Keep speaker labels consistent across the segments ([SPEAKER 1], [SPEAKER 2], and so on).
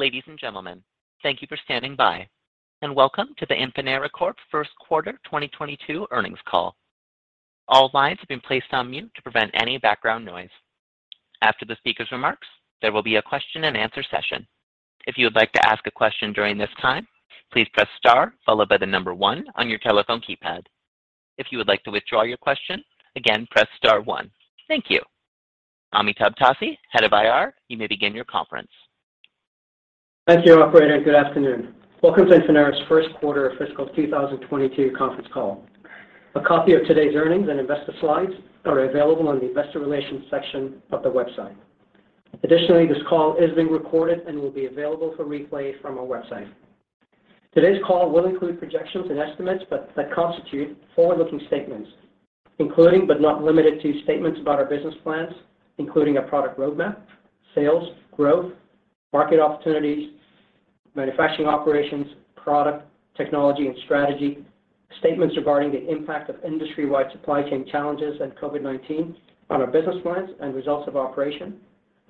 [SPEAKER 1] Ladies and gentlemen, thank you for standing by, and welcome to the Infinera Corp first quarter 2022 earnings call. All lines have been placed on mute to prevent any background noise. After the speaker's remarks, there will be a question and answer session. If you would like to ask a question during this time, please press star followed by the number one on your telephone keypad. If you would like to withdraw your question, again press star one. Thank you. Amitabh Passi, Head of IR, you may begin your conference.
[SPEAKER 2] Thank you, operator. Good afternoon. Welcome to Infinera's first quarter of fiscal 2022 conference call. A copy of today's earnings and investor slides are available on the investor relations section of the website. Additionally, this call is being recorded and will be available for replay from our website. Today's call will include projections and estimates that constitute forward-looking statements, including but not limited to statements about our business plans, including our product roadmap, sales, growth, market opportunities, manufacturing operations, product, technology, and strategy, statements regarding the impact of industry-wide supply chain challenges and COVID-19 on our business plans and results of operation,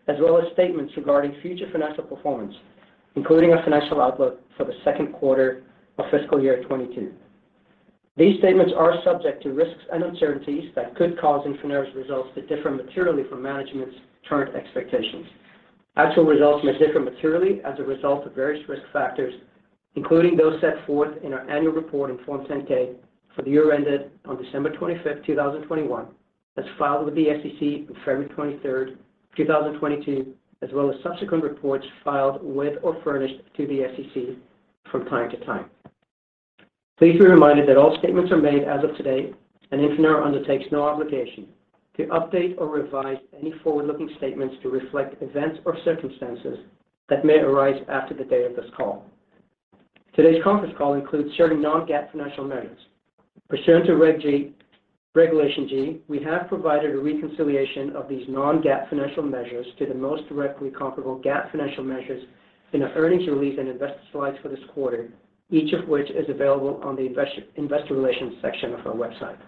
[SPEAKER 2] as well as statements regarding future financial performance, including our financial outlook for the second quarter of fiscal year 2022. These statements are subject to risks and uncertainties that could cause Infinera's results to differ materially from management's current expectations. Actual results may differ materially as a result of various risk factors, including those set forth in our annual report in Form 10-K for the year ended on December 25, 2021, as filed with the SEC on February 23, 2022, as well as subsequent reports filed with or furnished to the SEC from time to time. Please be reminded that all statements are made as of today, and Infinera undertakes no obligation to update or revise any forward-looking statements to reflect events or circumstances that may arise after the date of this call. Today's conference call includes certain non-GAAP financial measures. Pursuant to Regulation G, we have provided a reconciliation of these non-GAAP financial measures to the most directly comparable GAAP financial measures in our earnings release and investor slides for this quarter, each of which is available on the investor relations section of our website.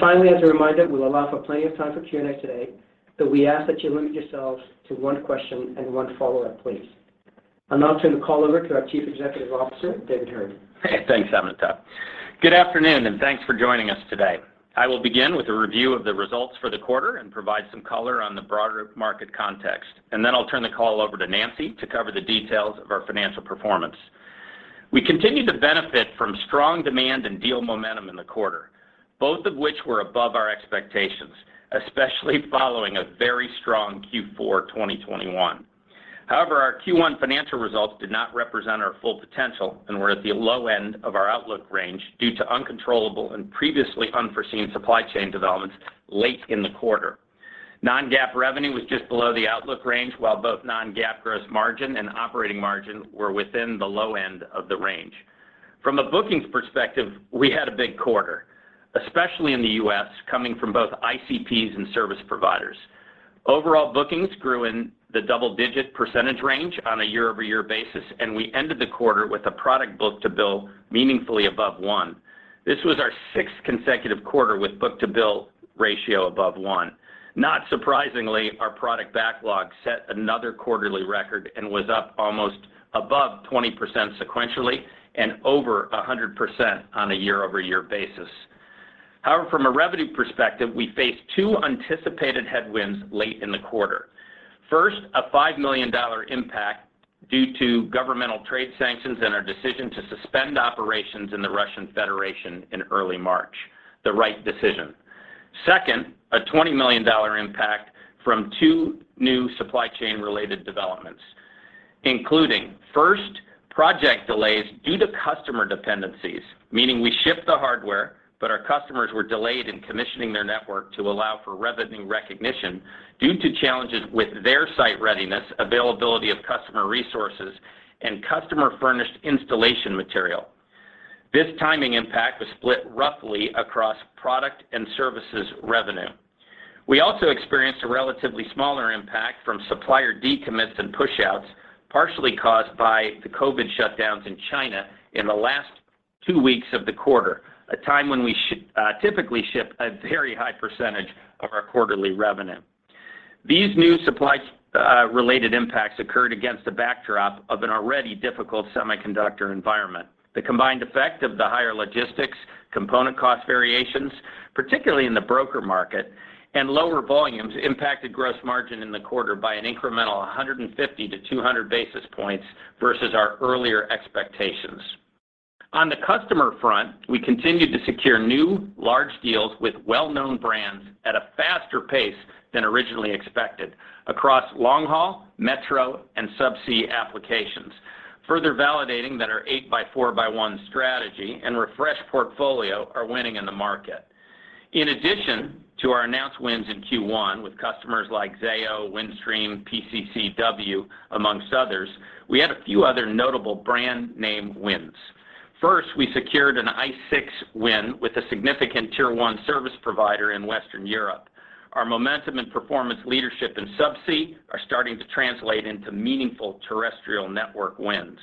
[SPEAKER 2] Finally, as a reminder, we will allow for plenty of time for Q&A today, but we ask that you limit yourselves to one question and one follow-up, please. I'll now turn the call over to our Chief Executive Officer, David Heard.
[SPEAKER 3] Thanks, Amitabh. Good afternoon, and thanks for joining us today. I will begin with a review of the results for the quarter and provide some color on the broader market context, and then I'll turn the call over to Nancy to cover the details of our financial performance. We continued to benefit from strong demand and deal momentum in the quarter, both of which were above our expectations, especially following a very strong Q4 2021. However, our Q1 financial results did not represent our full potential and were at the low end of our outlook range due to uncontrollable and previously unforeseen supply chain developments late in the quarter. Non-GAAP revenue was just below the outlook range while both non-GAAP gross margin and operating margin were within the low end of the range. From a bookings perspective, we had a big quarter, especially in the U.S., coming from both ICPs and service providers. Overall bookings grew in the double-digit % range on a year-over-year basis, and we ended the quarter with a product book-to-bill meaningfully above one. This was our sixth consecutive quarter with book-to-bill ratio above one. Not surprisingly, our product backlog set another quarterly record and was up almost above 20% sequentially and over 100% on a year-over-year basis. However, from a revenue perspective, we faced two anticipated headwinds late in the quarter. First, a $5 million impact due to governmental trade sanctions and our decision to suspend operations in the Russian Federation in early March. The right decision. Second, a $20 million impact from two new supply chain related developments, including, first, project delays due to customer dependencies, meaning we shipped the hardware, but our customers were delayed in commissioning their network to allow for revenue recognition due to challenges with their site readiness, availability of customer resources, and customer-furnished installation material. This timing impact was split roughly across product and services revenue. We also experienced a relatively smaller impact from supplier decommits and pushouts, partially caused by the COVID-19 shutdowns in China in the last two weeks of the quarter, a time when we typically ship a very high percentage of our quarterly revenue. These new supply related impacts occurred against the backdrop of an already difficult semiconductor environment. The combined effect of the higher logistics, component cost variations, particularly in the broker market, and lower volumes impacted gross margin in the quarter by an incremental 150-200 basis points versus our earlier expectations. On the customer front, we continued to secure new large deals with well-known brands at a faster pace than originally expected across long-haul, metro, and subsea applications, further validating that our eight-by-four-by-one strategy and refreshed portfolio are winning in the market. In addition to our announced wins in Q1 with customers like Zayo, Windstream, PCCW, amongst others, we had a few other notable brand name wins. First, we secured an ICE6 win with a significant tier one service provider in Western Europe. Our momentum and performance leadership in subsea are starting to translate into meaningful terrestrial network wins.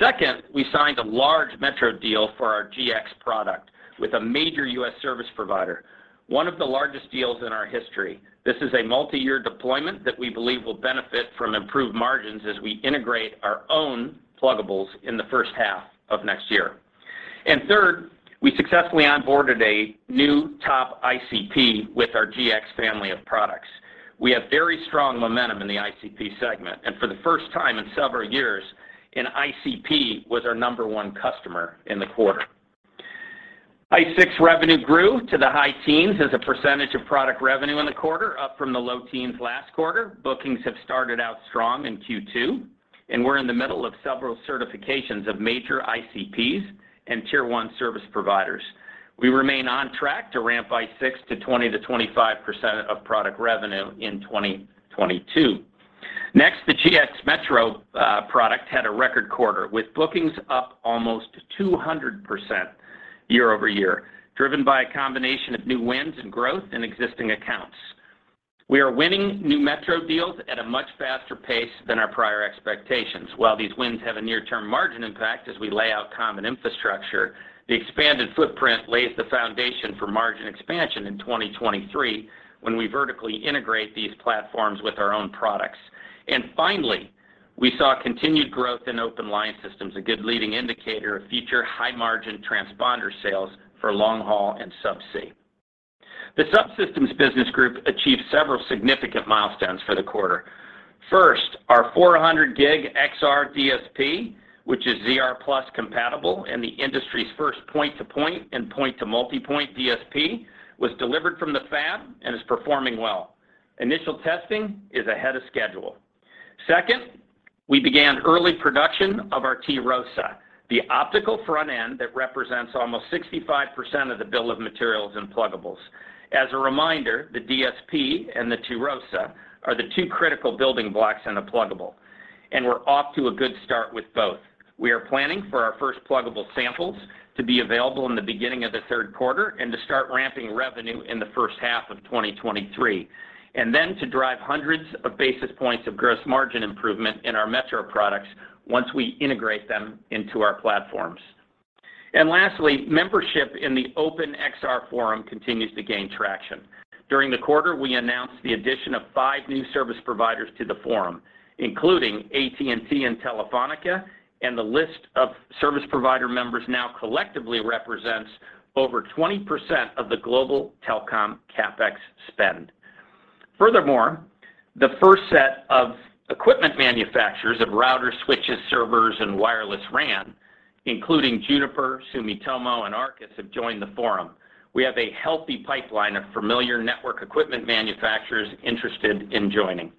[SPEAKER 3] Second, we signed a large metro deal for our GX product with a major U.S. service provider, one of the largest deals in our history. This is a multi-year deployment that we believe will benefit from improved margins as we integrate our own pluggables in the first half of next year. Third, we successfully onboarded a new top ICP with our GX family of products. We have very strong momentum in the ICP segment, and for the first time in several years, an ICP was our number one customer in the quarter. ICE6 revenue grew to the high teens as a percentage of product revenue in the quarter, up from the low teens last quarter. Bookings have started out strong in Q2, and we're in the middle of several certifications of major ICPs and tier one service providers. We remain on track to ramp ICE6 to 20%-25% of product revenue in 2022. Next, the GX Metro product had a record quarter, with bookings up almost 200% year-over-year, driven by a combination of new wins and growth in existing accounts. We are winning new metro deals at a much faster pace than our prior expectations. While these wins have a near-term margin impact as we lay out common infrastructure, the expanded footprint lays the foundation for margin expansion in 2023 when we vertically integrate these platforms with our own products. Finally, we saw continued growth in open line systems, a good leading indicator of future high-margin transponder sales for long haul and subsea. The subsystems business group achieved several significant milestones for the quarter. First, our 400 gig XR DSP, which is ZR+ compatible and the industry's first point-to-point and point-to-multipoint DSP, was delivered from the fab and is performing well. Initial testing is ahead of schedule. Second, we began early production of our TROSA, the optical front end that represents almost 65% of the bill of materials in pluggables. As a reminder, the DSP and the TROSA are the two critical building blocks in a pluggable, and we're off to a good start with both. We are planning for our first pluggable samples to be available in the beginning of the third quarter and to start ramping revenue in the first half of 2023, and then to drive hundreds of basis points of gross margin improvement in our metro products once we integrate them into our platforms. Lastly, membership in the OpenXR forum continues to gain traction. During the quarter, we announced the addition of five new service providers to the forum, including AT&T and Telefónica, and the list of service provider members now collectively represents over 20% of the global telecom CapEx spend. Furthermore, the first set of equipment manufacturers of routers, switches, servers, and wireless RAN, including Juniper, Sumitomo, and Arrcus, have joined the forum. We have a healthy pipeline of familiar network equipment manufacturers interested in joining.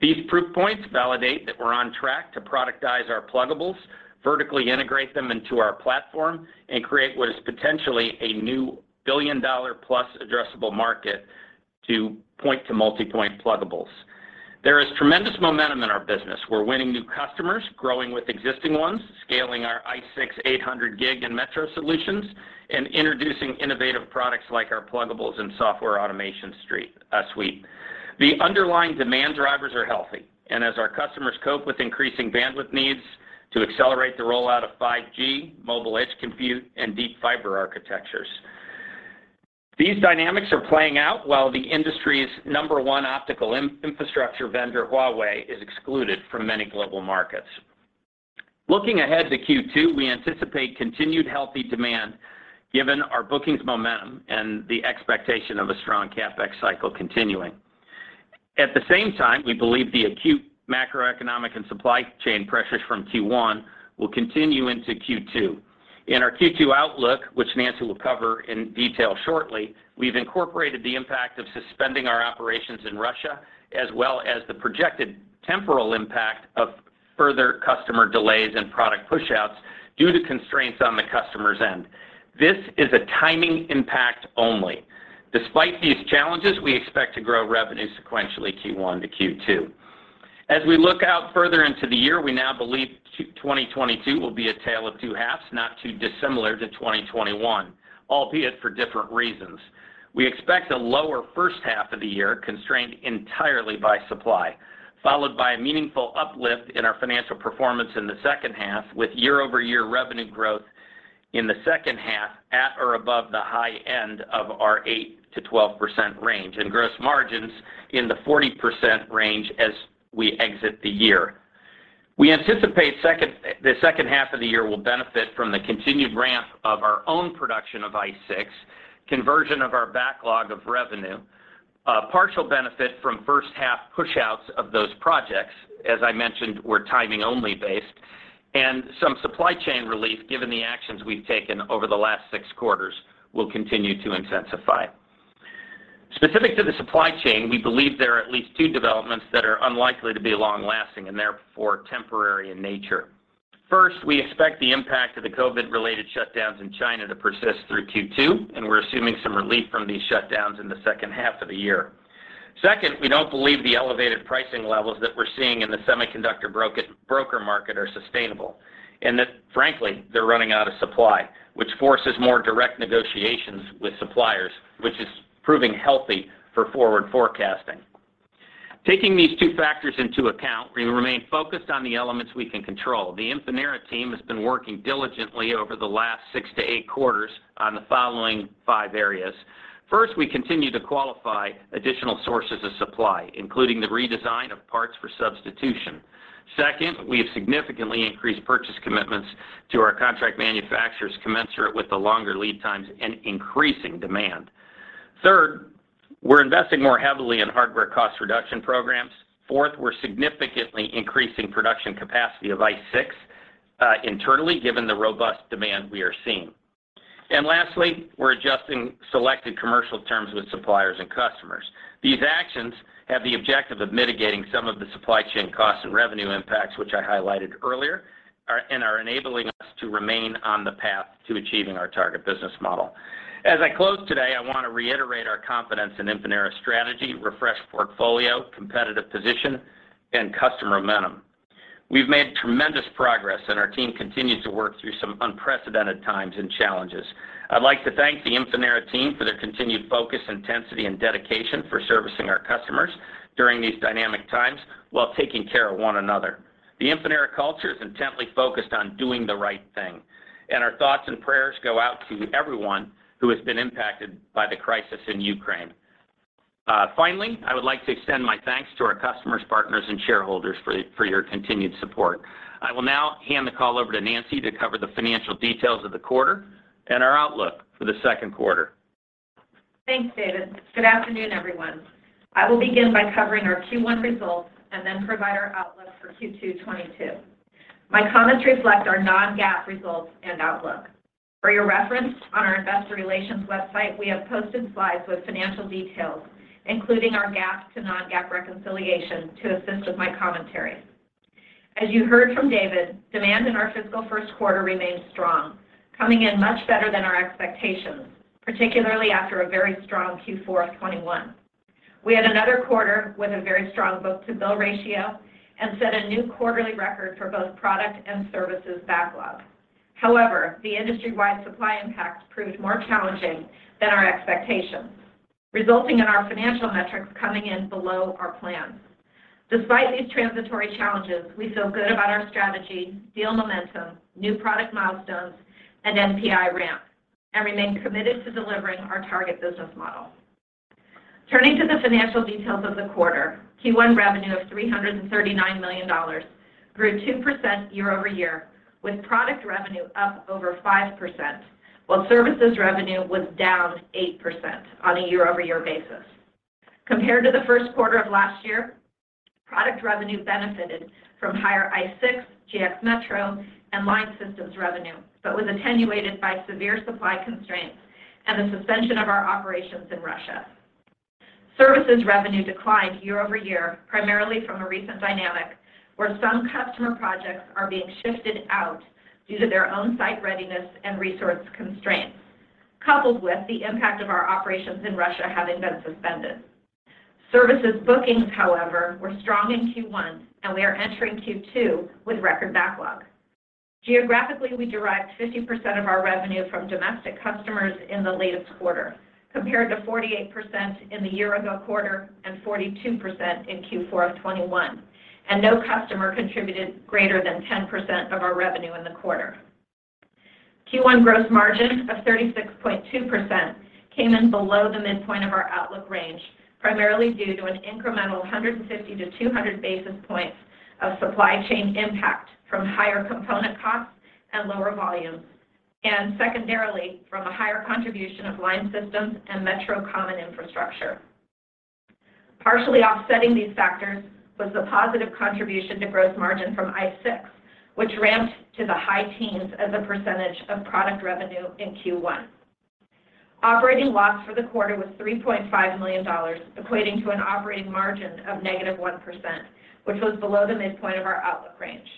[SPEAKER 3] These proof points validate that we're on track to productize our pluggables, vertically integrate them into our platform, and create what is potentially a new billion-dollar-plus addressable market to point to multipoint pluggables. There is tremendous momentum in our business. We're winning new customers, growing with existing ones, scaling our ICE6 800G and metro solutions, and introducing innovative products like our pluggables and software automation suite. The underlying demand drivers are healthy, as our customers cope with increasing bandwidth needs to accelerate the rollout of 5G, mobile edge compute, and deep fiber architectures. These dynamics are playing out while the industry's number one optical infrastructure vendor, Huawei, is excluded from many global markets. Looking ahead to Q2, we anticipate continued healthy demand given our bookings momentum and the expectation of a strong CapEx cycle continuing. At the same time, we believe the acute macroeconomic and supply chain pressures from Q1 will continue into Q2. In our Q2 outlook, which Nancy will cover in detail shortly, we've incorporated the impact of suspending our operations in Russia, as well as the projected temporal impact of further customer delays and product pushouts due to constraints on the customer's end. This is a timing impact only. Despite these challenges, we expect to grow revenue sequentially Q1 to Q2. As we look out further into the year, we now believe 2022 will be a tale of two halves, not too dissimilar to 2021, albeit for different reasons. We expect a lower first half of the year, constrained entirely by supply, followed by a meaningful uplift in our financial performance in the second half, with year-over-year revenue growth in the second half at or above the high end of our 8%-12% range and gross margins in the 40% range as we exit the year. We anticipate the second half of the year will benefit from the continued ramp of our own production of ICE6, conversion of our backlog of revenue, a partial benefit from first-half pushouts of those projects, as I mentioned, we're timing only based, and some supply chain relief, given the actions we've taken over the last six quarters, will continue to intensify. Specific to the supply chain, we believe there are at least two developments that are unlikely to be long-lasting and therefore temporary in nature. First, we expect the impact of the COVID-related shutdowns in China to persist through Q2, and we're assuming some relief from these shutdowns in the second half of the year. Second, we don't believe the elevated pricing levels that we're seeing in the semiconductor broker market are sustainable and that, frankly, they're running out of supply, which forces more direct negotiations with suppliers, which is proving healthy for forward forecasting. Taking these two factors into account, we remain focused on the elements we can control. The Infinera team has been working diligently over the last 6 to 8 quarters on the following five areas. First, we continue to qualify additional sources of supply, including the redesign of parts for substitution. Second, we have significantly increased purchase commitments to our contract manufacturers commensurate with the longer lead times and increasing demand. Third, we're investing more heavily in hardware cost reduction programs. Fourth, we're significantly increasing production capacity of ICE6 internally, given the robust demand we are seeing. Lastly, we're adjusting selected commercial terms with suppliers and customers. These actions have the objective of mitigating some of the supply chain costs and revenue impacts, which I highlighted earlier, and are enabling us to remain on the path to achieving our target business model. As I close today, I want to reiterate our confidence in Infinera's strategy, refreshed portfolio, competitive position, and customer momentum. We've made tremendous progress, and our team continues to work through some unprecedented times and challenges. I'd like to thank the Infinera team for their continued focus, intensity, and dedication for servicing our customers during these dynamic times while taking care of one another. The Infinera culture is intently focused on doing the right thing, and our thoughts and prayers go out to everyone who has been impacted by the crisis in Ukraine. Finally, I would like to extend my thanks to our customers, partners, and shareholders for your continued support. I will now hand the call over to Nancy to cover the financial details of the quarter and our outlook for the second quarter.
[SPEAKER 4] Thanks, David. Good afternoon, everyone. I will begin by covering our Q1 results and then provide our outlook for Q2 2022. My comments reflect our non-GAAP results and outlook. For your reference, on our investor relations website, we have posted slides with financial details, including our GAAP to non-GAAP reconciliation to assist with my commentary. As you heard from David, demand in our fiscal first quarter remained strong, coming in much better than our expectations, particularly after a very strong Q4 of 2021. We had another quarter with a very strong book-to-bill ratio and set a new quarterly record for both product and services backlog. However, the industry-wide supply impact proved more challenging than our expectations, resulting in our financial metrics coming in below our plans. Despite these transitory challenges, we feel good about our strategy, deal momentum, new product milestones, and NPI ramp, and remain committed to delivering our target business model. Turning to the financial details of the quarter, Q1 revenue of $339 million grew 2% year-over-year, with product revenue up over 5%, while services revenue was down 8% on a year-over-year basis. Compared to the first quarter of last year, product revenue benefited from higher ICE6, GX Metro, and line systems revenue, but was attenuated by severe supply constraints and the suspension of our operations in Russia. Services revenue declined year-over-year, primarily from a recent dynamic where some customer projects are being shifted out due to their own site readiness and resource constraints, coupled with the impact of our operations in Russia having been suspended. Services bookings, however, were strong in Q1, and we are entering Q2 with record backlog. Geographically, we derived 50% of our revenue from domestic customers in the latest quarter, compared to 48% in the year-ago quarter and 42% in Q4 of 2021, and no customer contributed greater than 10% of our revenue in the quarter. Q1 gross margin of 36.2% came in below the midpoint of our outlook range, primarily due to an incremental 150-200 basis points of supply chain impact from higher component costs and lower volumes, and secondarily, from a higher contribution of line systems and metro common infrastructure. Partially offsetting these factors was the positive contribution to gross margin from ICE6, which ramped to the high teens as a percentage of product revenue in Q1. Operating loss for the quarter was $3.5 million, equating to an operating margin of -1%, which was below the midpoint of our outlook range.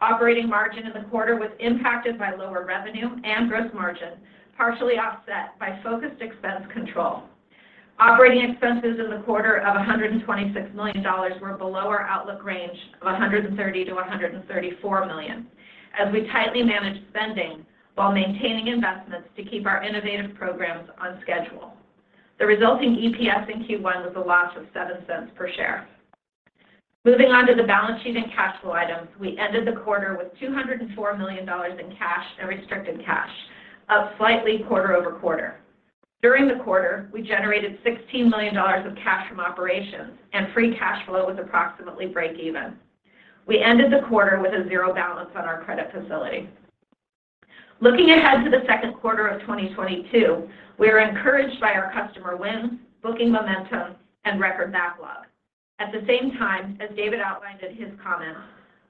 [SPEAKER 4] Operating margin in the quarter was impacted by lower revenue and gross margin, partially offset by focused expense control. Operating expenses in the quarter of $126 million were below our outlook range of $130 million-$134 million as we tightly managed spending while maintaining investments to keep our innovative programs on schedule. The resulting EPS in Q1 was a loss of $0.07 per share. Moving on to the balance sheet and cash flow items, we ended the quarter with $204 million in cash and restricted cash, up slightly quarter-over-quarter. During the quarter, we generated $16 million of cash from operations, and free cash flow was approximately break even. We ended the quarter with a 0 balance on our credit facility. Looking ahead to the second quarter of 2022, we are encouraged by our customer wins, booking momentum, and record backlog. At the same time, as David outlined in his comments,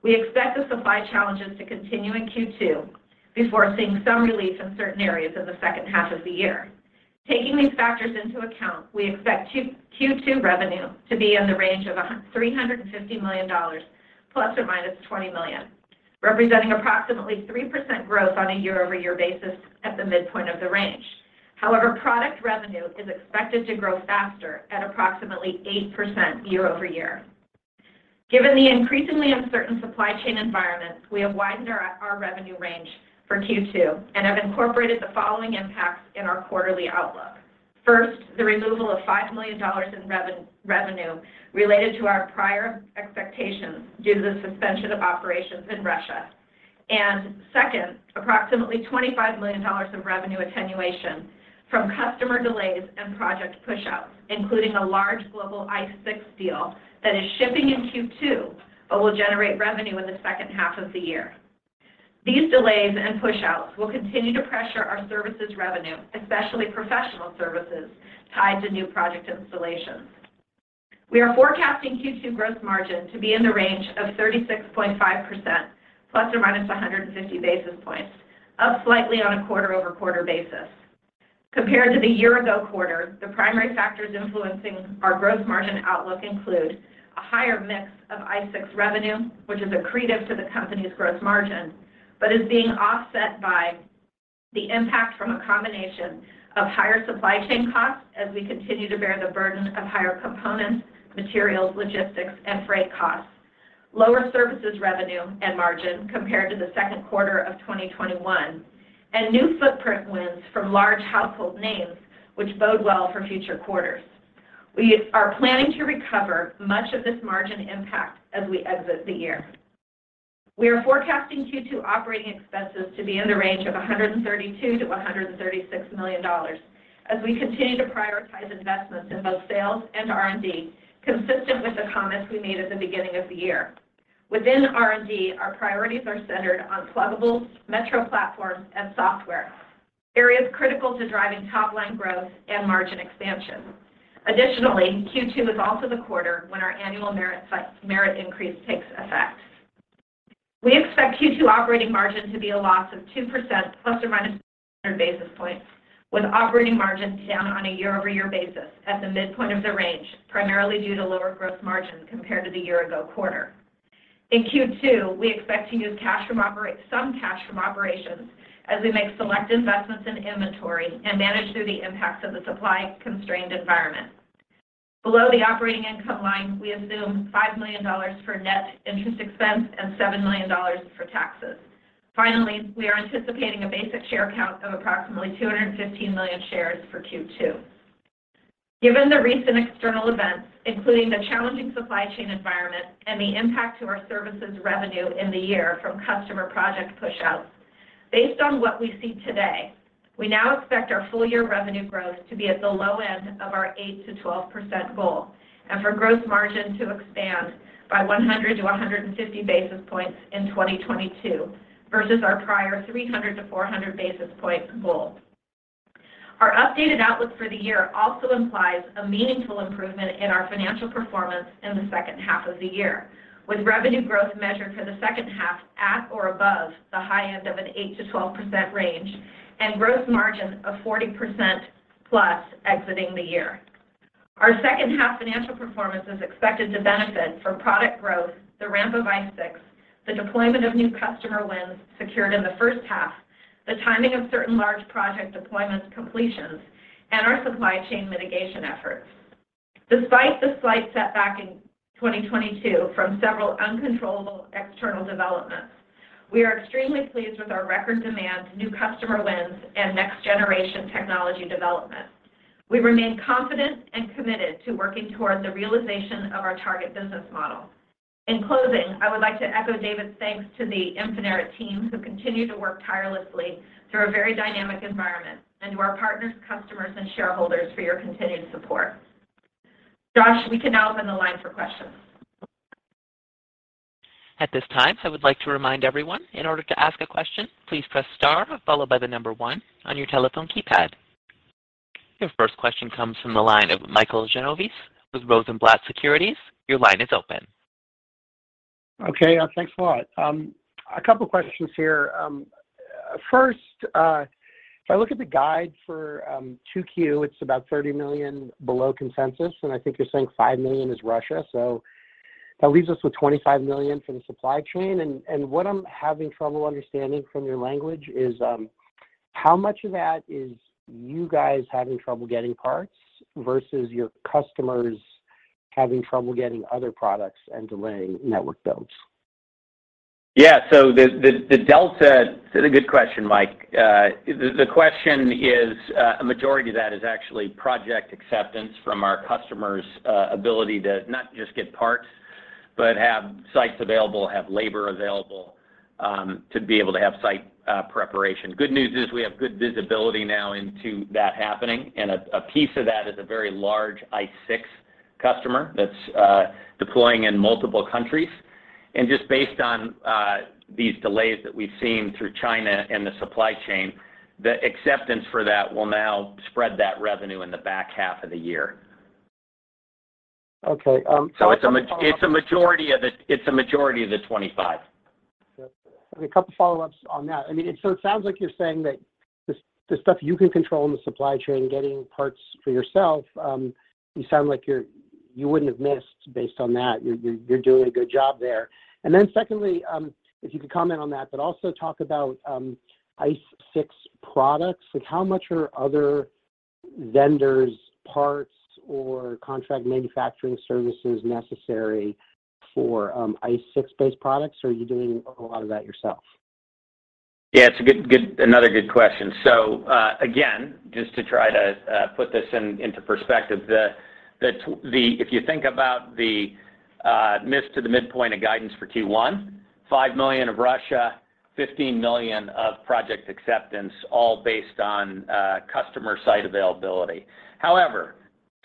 [SPEAKER 4] we expect the supply challenges to continue in Q2 before seeing some relief in certain areas in the second half of the year. Taking these factors into account, we expect Q2 revenue to be in the range of $350 million ±$20 million, representing approximately 3% growth on a year-over-year basis at the midpoint of the range. However, product revenue is expected to grow faster at approximately 8% year-over-year. Given the increasingly uncertain supply chain environment, we have widened our revenue range for Q2 and have incorporated the following impacts in our quarterly outlook. First, the removal of $5 million in revenue related to our prior expectations due to the suspension of operations in Russia. Second, approximately $25 million of revenue attenuation from customer delays and project pushouts, including a large global ICE6 deal that is shipping in Q2, but will generate revenue in the second half of the year. These delays and pushouts will continue to pressure our services revenue, especially professional services tied to new project installations. We are forecasting Q2 gross margin to be in the range of 36.5% ±150 basis points, up slightly on a quarter-over-quarter basis. Compared to the year-ago quarter, the primary factors influencing our gross margin outlook include a higher mix of ICE6 revenue, which is accretive to the company's gross margin. Is being offset by the impact from a combination of higher supply chain costs as we continue to bear the burden of higher components, materials, logistics, and freight costs, lower services revenue and margin compared to the second quarter of 2021, and new footprint wins from large household names which bode well for future quarters. We are planning to recover much of this margin impact as we exit the year. We are forecasting Q2 operating expenses to be in the range of $132 million-$136 million as we continue to prioritize investments in both sales and R&D, consistent with the comments we made at the beginning of the year. Within R&D, our priorities are centered on pluggables, metro platforms, and software, areas critical to driving top line growth and margin expansion. Additionally, Q2 is also the quarter when our annual merit increase takes effect. We expect Q2 operating margin to be a loss of 2% ±100 basis points, with operating margins down on a year-over-year basis at the midpoint of the range, primarily due to lower gross margin compared to the year-ago quarter. In Q2, we expect to use some cash from operations as we make select investments in inventory and manage through the impacts of the supply-constrained environment. Below the operating income line, we assume $5 million for net interest expense and $7 million for taxes. Finally, we are anticipating a basic share count of approximately 215 million shares for Q2. Given the recent external events, including the challenging supply chain environment and the impact to our services revenue in the year from customer project pushouts, based on what we see today, we now expect our full year revenue growth to be at the low end of our 8%-12% goal and for gross margin to expand by 100-150 basis points in 2022 versus our prior 300-400 basis point goal. Our updated outlook for the year also implies a meaningful improvement in our financial performance in the second half of the year, with revenue growth measured for the second half at or above the high end of an 8%-12% range and gross margin of 40%+ exiting the year. Our second half financial performance is expected to benefit from product growth, the ramp of ICE6, the deployment of new customer wins secured in the first half, the timing of certain large project deployments completions, and our supply chain mitigation efforts. Despite the slight setback in 2022 from several uncontrollable external developments, we are extremely pleased with our record demand, new customer wins, and next-generation technology development. We remain confident and committed to working towards the realization of our target business model. In closing, I would like to echo David's thanks to the Infinera team, who continue to work tirelessly through a very dynamic environment, and to our partners, customers, and shareholders for your continued support. Josh, we can now open the line for questions.
[SPEAKER 1] At this time, I would like to remind everyone, in order to ask a question, please press star followed by the number one on your telephone keypad. Your first question comes from the line of Michael Genovese with Rosenblatt Securities. Your line is open.
[SPEAKER 5] Okay. Thanks a lot. A couple questions here. First, if I look at the guide for 2Q, it's about $30 million below consensus, and I think you're saying $5 million is Russia. That leaves us with $25 million for the supply chain, and what I'm having trouble understanding from your language is how much of that is you guys having trouble getting parts versus your customers having trouble getting other products and delaying network builds?
[SPEAKER 3] Yeah. The delta. It's a good question, Mike. The question is, a majority of that is actually project acceptance from our customers' ability to not just get parts, but have sites available, have labor available, to be able to have site preparation. Good news is we have good visibility now into that happening, and a piece of that is a very large ICE6 customer that's deploying in multiple countries. Just based on these delays that we've seen through China and the supply chain, the acceptance for that will now spread that revenue in the back half of the year.
[SPEAKER 5] Okay. Just to follow up.
[SPEAKER 3] It's a majority of the 25.
[SPEAKER 5] Gotcha. I mean, a couple follow-ups on that. I mean, so it sounds like you're saying that the stuff you can control in the supply chain, getting parts for yourself, you sound like you wouldn't have missed based on that. You're doing a good job there. Then secondly, if you could comment on that, but also talk about ICE6 products. Like, how much are other vendors, parts, or contract manufacturing services necessary for ICE6-based products, or are you doing a lot of that yourself?
[SPEAKER 3] It's a good question. Again, just to try to put this into perspective, if you think about the miss to the midpoint of guidance for Q1, $5 million of Russia, $15 million of project acceptance, all based on customer site availability. However,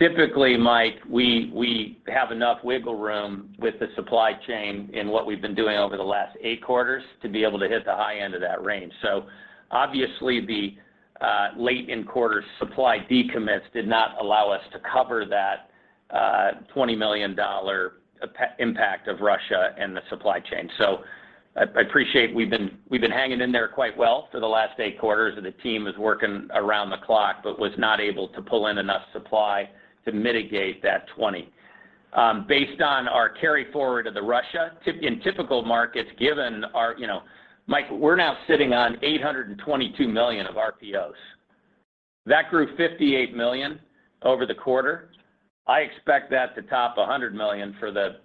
[SPEAKER 3] typically, Mike, we have enough wiggle room with the supply chain in what we've been doing over the last eight quarters to be able to hit the high end of that range. Obviously, the late in quarter supply decommits did not allow us to cover that $20 million impact of Russia and the supply chain. I appreciate we've been hanging in there quite well for the last eight quarters, and the team is working around the clock, but was not able to pull in enough supply to mitigate that $20 million. Based on our carry forward of the RPO, in typical markets, given our, you know, Mike, we're now sitting on $822 million of RPOs. That grew $58 million over the quarter. I expect that to top $100 million for the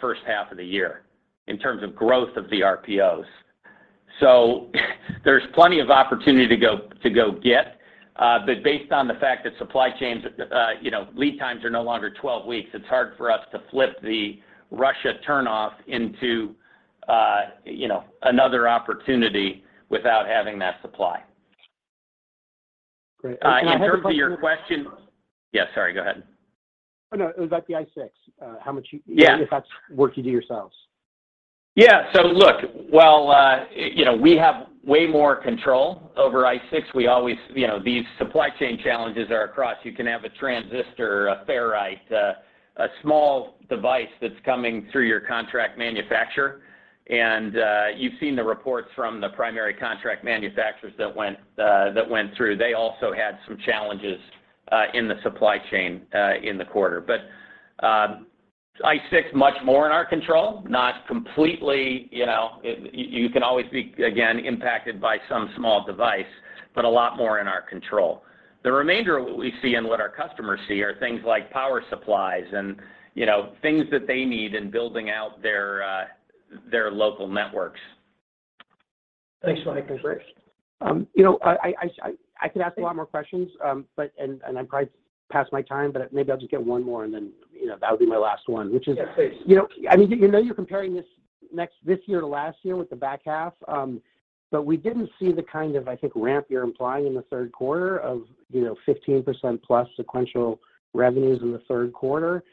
[SPEAKER 3] first half of the year in terms of growth of the RPOs. There's plenty of opportunity to go get, but based on the fact that supply chains, you know, lead times are no longer 12 weeks, it's hard for us to flip the RPO turnoff into another opportunity without having that supply.
[SPEAKER 5] Great. Can I have a follow-up?
[SPEAKER 3] In terms of your question. Yeah, sorry, go ahead.
[SPEAKER 5] Oh, no. It was about the ICE6, how much you.
[SPEAKER 3] Yeah.
[SPEAKER 5] If that's work you do yourselves.
[SPEAKER 3] We have way more control over ICE6. We always, you know, these supply chain challenges are across. You can have a transistor, a ferrite, a small device that's coming through your contract manufacturer, and you've seen the reports from the primary contract manufacturers that went through. They also had some challenges in the supply chain in the quarter. ICE6, much more in our control, not completely, you know. You can always be, again, impacted by some small device, but a lot more in our control. The remainder of what we see and what our customers see are things like power supplies and, you know, things that they need in building out their local networks.
[SPEAKER 5] Thanks, Mike. Appreciate it. You know, I could ask a lot more questions. I'm probably past my time, but maybe I'll just get one more, and then, you know, that would be my last one, which is.
[SPEAKER 3] Yeah, please.
[SPEAKER 5] You know, I mean, you know you're comparing this year to last year with the back half. But we didn't see the kind of, I think, ramp you're implying in the third quarter of, you know, 15% plus sequential revenues in the third quarter.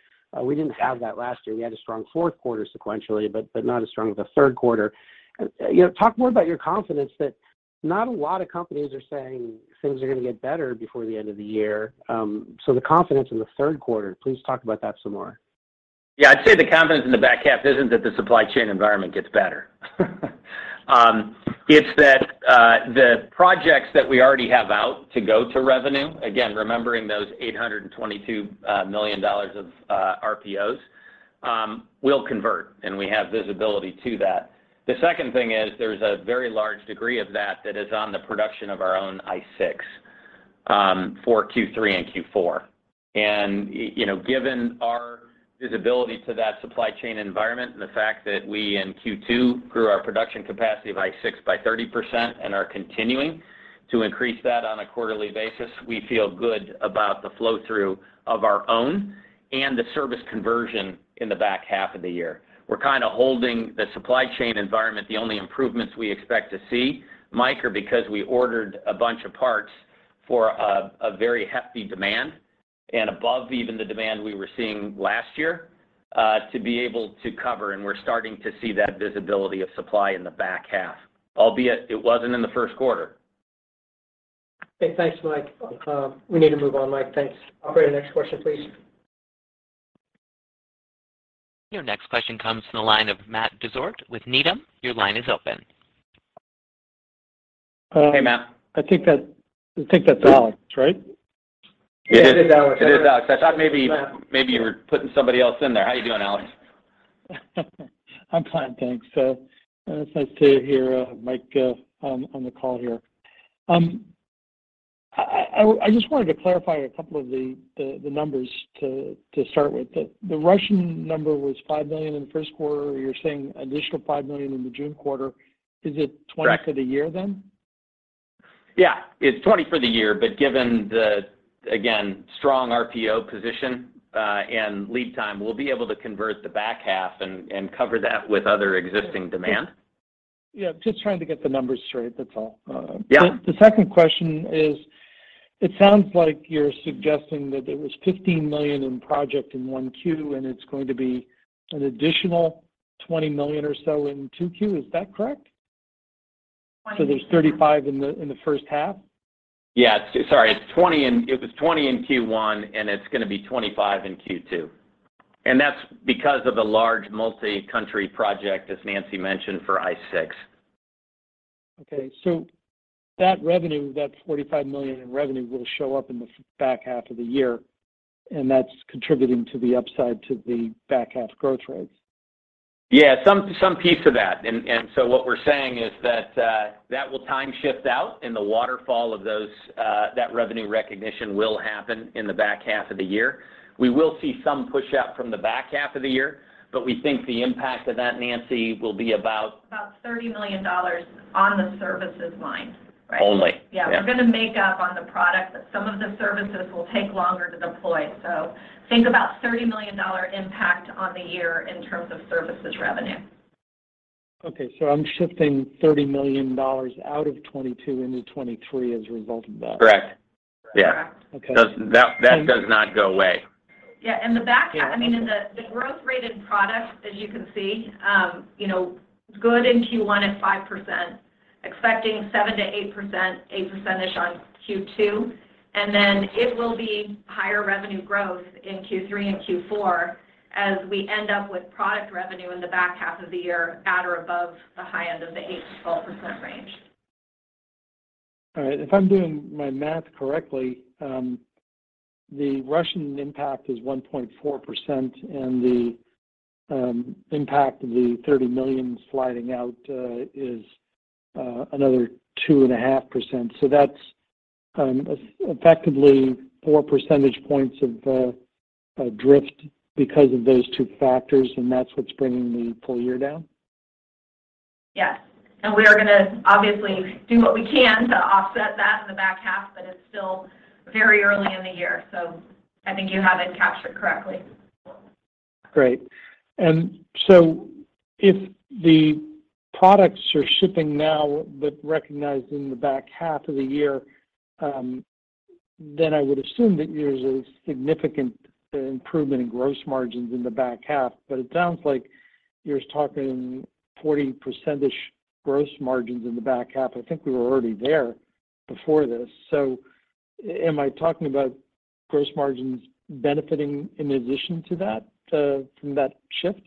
[SPEAKER 5] We didn't have that last year. We had a strong fourth quarter sequentially, but not as strong as a third quarter. You know, talk more about your confidence that not a lot of companies are saying things are gonna get better before the end of the year. The confidence in the third quarter, please talk about that some more.
[SPEAKER 3] Yeah. I'd say the confidence in the back half isn't that the supply chain environment gets better. It's that the projects that we already have out to go to revenue, again, remembering those $822 million of RPOs, will convert, and we have visibility to that. The second thing is there's a very large degree of that that is on the production of our own ICE6 for Q3 and Q4. You know, given our visibility to that supply chain environment and the fact that we in Q2 grew our production capacity of ICE6 by 30% and are continuing to increase that on a quarterly basis, we feel good about the flow-through of our own and the service conversion in the back half of the year. We're kinda holding the supply chain environment. The only improvements we expect to see, Mike, are because we ordered a bunch of parts for a very hefty demand and above even the demand we were seeing last year, to be able to cover, and we're starting to see that visibility of supply in the back half, albeit it wasn't in the first quarter.
[SPEAKER 2] Okay. Thanks, Mike. We need to move on, Mike. Thanks. Operator, next question, please.
[SPEAKER 1] Your next question comes from the line of Matt Disord with Needham. Your line is open.
[SPEAKER 3] Hey, Matt. I think that's Alex, right?
[SPEAKER 6] It is. It is Alex.
[SPEAKER 3] It is Alex. I thought maybe.
[SPEAKER 6] Yeah
[SPEAKER 3] Maybe you were putting somebody else in there. How you doing, Alex?
[SPEAKER 6] I'm fine, thanks. It's nice to hear, Mike, on the call here. I just wanted to clarify a couple of the numbers to start with. The revenue number was $5 million in the first quarter. You're saying additional $5 million in the June quarter. Is it?
[SPEAKER 3] Correct
[SPEAKER 6] 20 for the year then?
[SPEAKER 3] Yeah. It's $20 for the year, but given the again strong RPO position and lead time, we'll be able to convert the back half and cover that with other existing demand.
[SPEAKER 6] Yeah. Just trying to get the numbers straight, that's all.
[SPEAKER 3] Yeah.
[SPEAKER 6] The second question is, it sounds like you're suggesting that there was $15 million in project in 1Q, and it's going to be an additional $20 million or so in 2Q. Is that correct? There's 35 in the first half?
[SPEAKER 3] It was 20 in Q1, and it's gonna be 25 in Q2, and that's because of the large multi-country project, as Nancy mentioned, for ICE6.
[SPEAKER 6] Okay. That revenue, that $45 million in revenue, will show up in the back half of the year, and that's contributing to the upside to the back half growth rates?
[SPEAKER 3] Yeah, some piece of that. What we're saying is that that will time shift out, and the waterfall of those that revenue recognition will happen in the back half of the year. We will see some push out from the back half of the year, but we think the impact of that, Nancy, will be about-
[SPEAKER 4] About $30 million on the services line, right?
[SPEAKER 3] Only.
[SPEAKER 4] Yeah.
[SPEAKER 3] Yeah.
[SPEAKER 4] We're gonna make up on the product, but some of the services will take longer to deploy. Think about $30 million impact on the year in terms of services revenue.
[SPEAKER 6] Okay. I'm shifting $30 million out of 2022 into 2023 as a result of that?
[SPEAKER 3] Correct. Yeah.
[SPEAKER 6] Okay.
[SPEAKER 3] That does not go away.
[SPEAKER 4] In the back half, I mean, in the growth rate in products, as you can see, you know, good in Q1 at 5%, expecting 7%-8%, 8% on Q2, and then it will be higher revenue growth in Q3 and Q4 as we end up with product revenue in the back half of the year at or above the high end of the 8%-12% range.
[SPEAKER 6] All right. If I'm doing my math correctly, the Russian impact is 1.4%, and the impact of the $30 million sliding out is another 2.5%. That's effectively four percentage points of a drift because of those two factors, and that's what's bringing the full year down?
[SPEAKER 4] Yes. We are gonna obviously do what we can to offset that in the back half, but it's still very early in the year. I think you have it captured correctly.
[SPEAKER 6] Great. If the products you're shipping now but recognized in the back half of the year, then I would assume that there's a significant improvement in gross margins in the back half. But it sounds like you're talking 40%-ish gross margins in the back half. I think we were already there before this. Am I talking about gross margins benefiting in addition to that from that shift?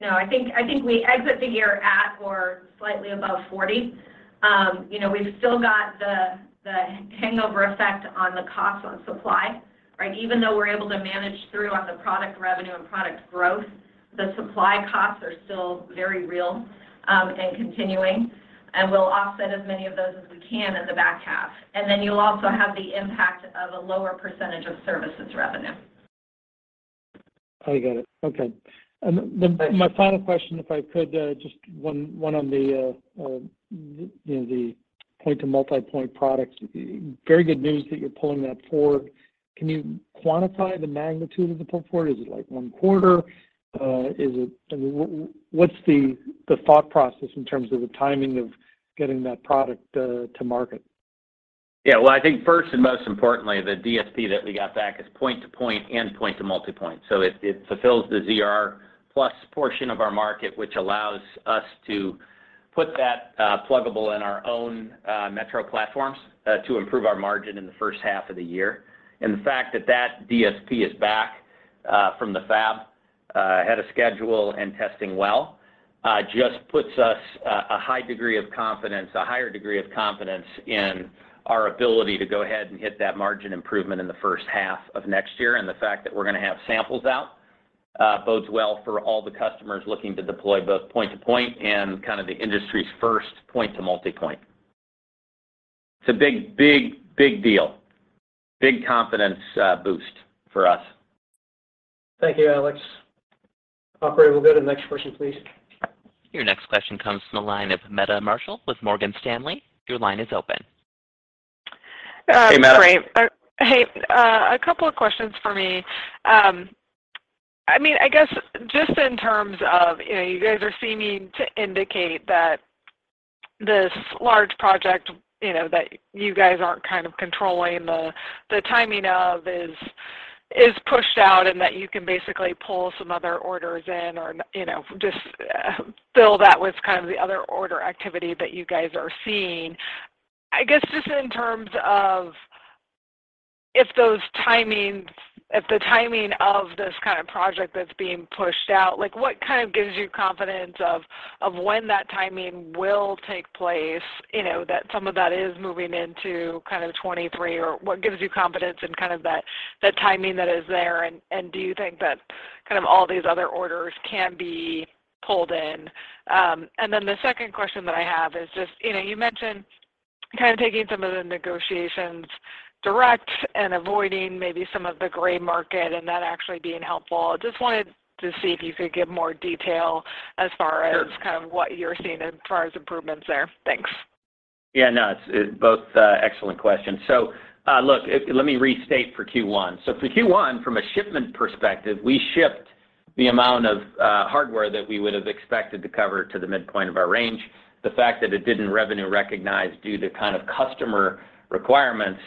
[SPEAKER 4] No. I think we exit the year at or slightly above 40%. You know, we've still got the hangover effect on the cost on supply, right? Even though we're able to manage through on the product revenue and product growth, the supply costs are still very real and continuing. We'll offset as many of those as we can in the back half. Then you'll also have the impact of a lower percentage of services revenue.
[SPEAKER 6] I get it. Okay. My final question, if I could, just one on the, you know, the point to multipoint products. Very good news that you're pulling that forward. Can you quantify the magnitude of the pull forward? Is it like one quarter? I mean, what's the thought process in terms of the timing of getting that product to market?
[SPEAKER 3] Yeah. Well, I think first and most importantly, the DSP that we got back is point to point and point to multipoint. So it fulfills the ZR+ portion of our market, which allows us to put that pluggable in our own metro platforms to improve our margin in the first half of the year. The fact that that DSP is back from the fab ahead of schedule and testing well just puts us a higher degree of confidence in our ability to go ahead and hit that margin improvement in the first half of next year. The fact that we're gonna have samples out bodes well for all the customers looking to deploy both point to point and kind of the industry's first point to multipoint. It's a big, big, big deal. Big confidence boost for us. Thank you, Alex. Operator, we'll go to the next question, please.
[SPEAKER 1] Your next question comes from the line of Meta Marshall with Morgan Stanley. Your line is open.
[SPEAKER 3] Hey, Meta.
[SPEAKER 7] Great. Hey, a couple of questions for me. I mean, I guess just in terms of, you know, you guys are seeming to indicate that this large project, you know, that you guys aren't kind of controlling the timing of is pushed out and that you can basically pull some other orders in or, you know, just fill that with kind of the other order activity that you guys are seeing. I guess just in terms of if the timing of this kind of project that's being pushed out, like, what kind of gives you confidence of when that timing will take place, you know, that some of that is moving into kind of 2023, or what gives you confidence in kind of that timing that is there, and do you think that kind of all these other orders can be pulled in? Then the second question that I have is just, you know, you mentioned kind of taking some of the negotiations direct and avoiding maybe some of the gray market and that actually being helpful. I just wanted to see if you could give more detail as far as.
[SPEAKER 3] Sure
[SPEAKER 7] kind of what you're seeing as far as improvements there. Thanks.
[SPEAKER 3] Yeah, no, it's both excellent questions. Look, let me restate for Q1. For Q1, from a shipment perspective, we shipped the amount of hardware that we would have expected to cover to the midpoint of our range. The fact that it didn't revenue recognize due to kind of customer requirements,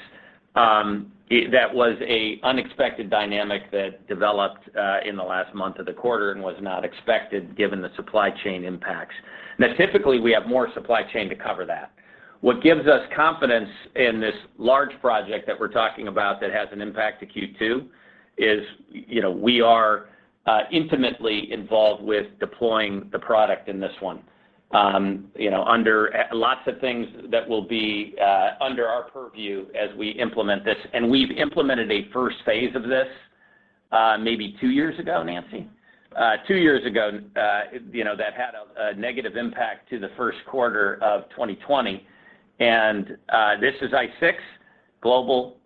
[SPEAKER 3] that was an unexpected dynamic that developed in the last month of the quarter and was not expected given the supply chain impacts. Now, typically, we have more supply chain to cover that. What gives us confidence in this large project that we're talking about that has an impact to Q2 is, you know, we are intimately involved with deploying the product in this one. You know, under lots of things that will be under our purview as we implement this, and we've implemented a first phase of this, maybe two years ago, Nancy? Two years ago, you know, that had a negative impact to the first quarter of 2020, and this is ICE6 global,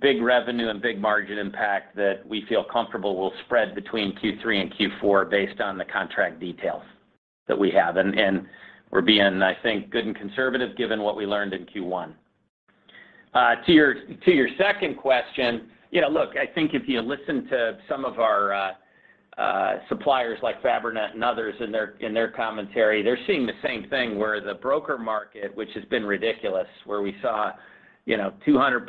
[SPEAKER 3] big revenue and big margin impact that we feel comfortable will spread between Q3 and Q4 based on the contract details that we have. We're being, I think, good and conservative given what we learned in Q1. To your second question, you know, look, I think if you listen to some of our suppliers like Fabrinet and others in their commentary, they're seeing the same thing where the broker market, which has been ridiculous, where we saw, you know, 200%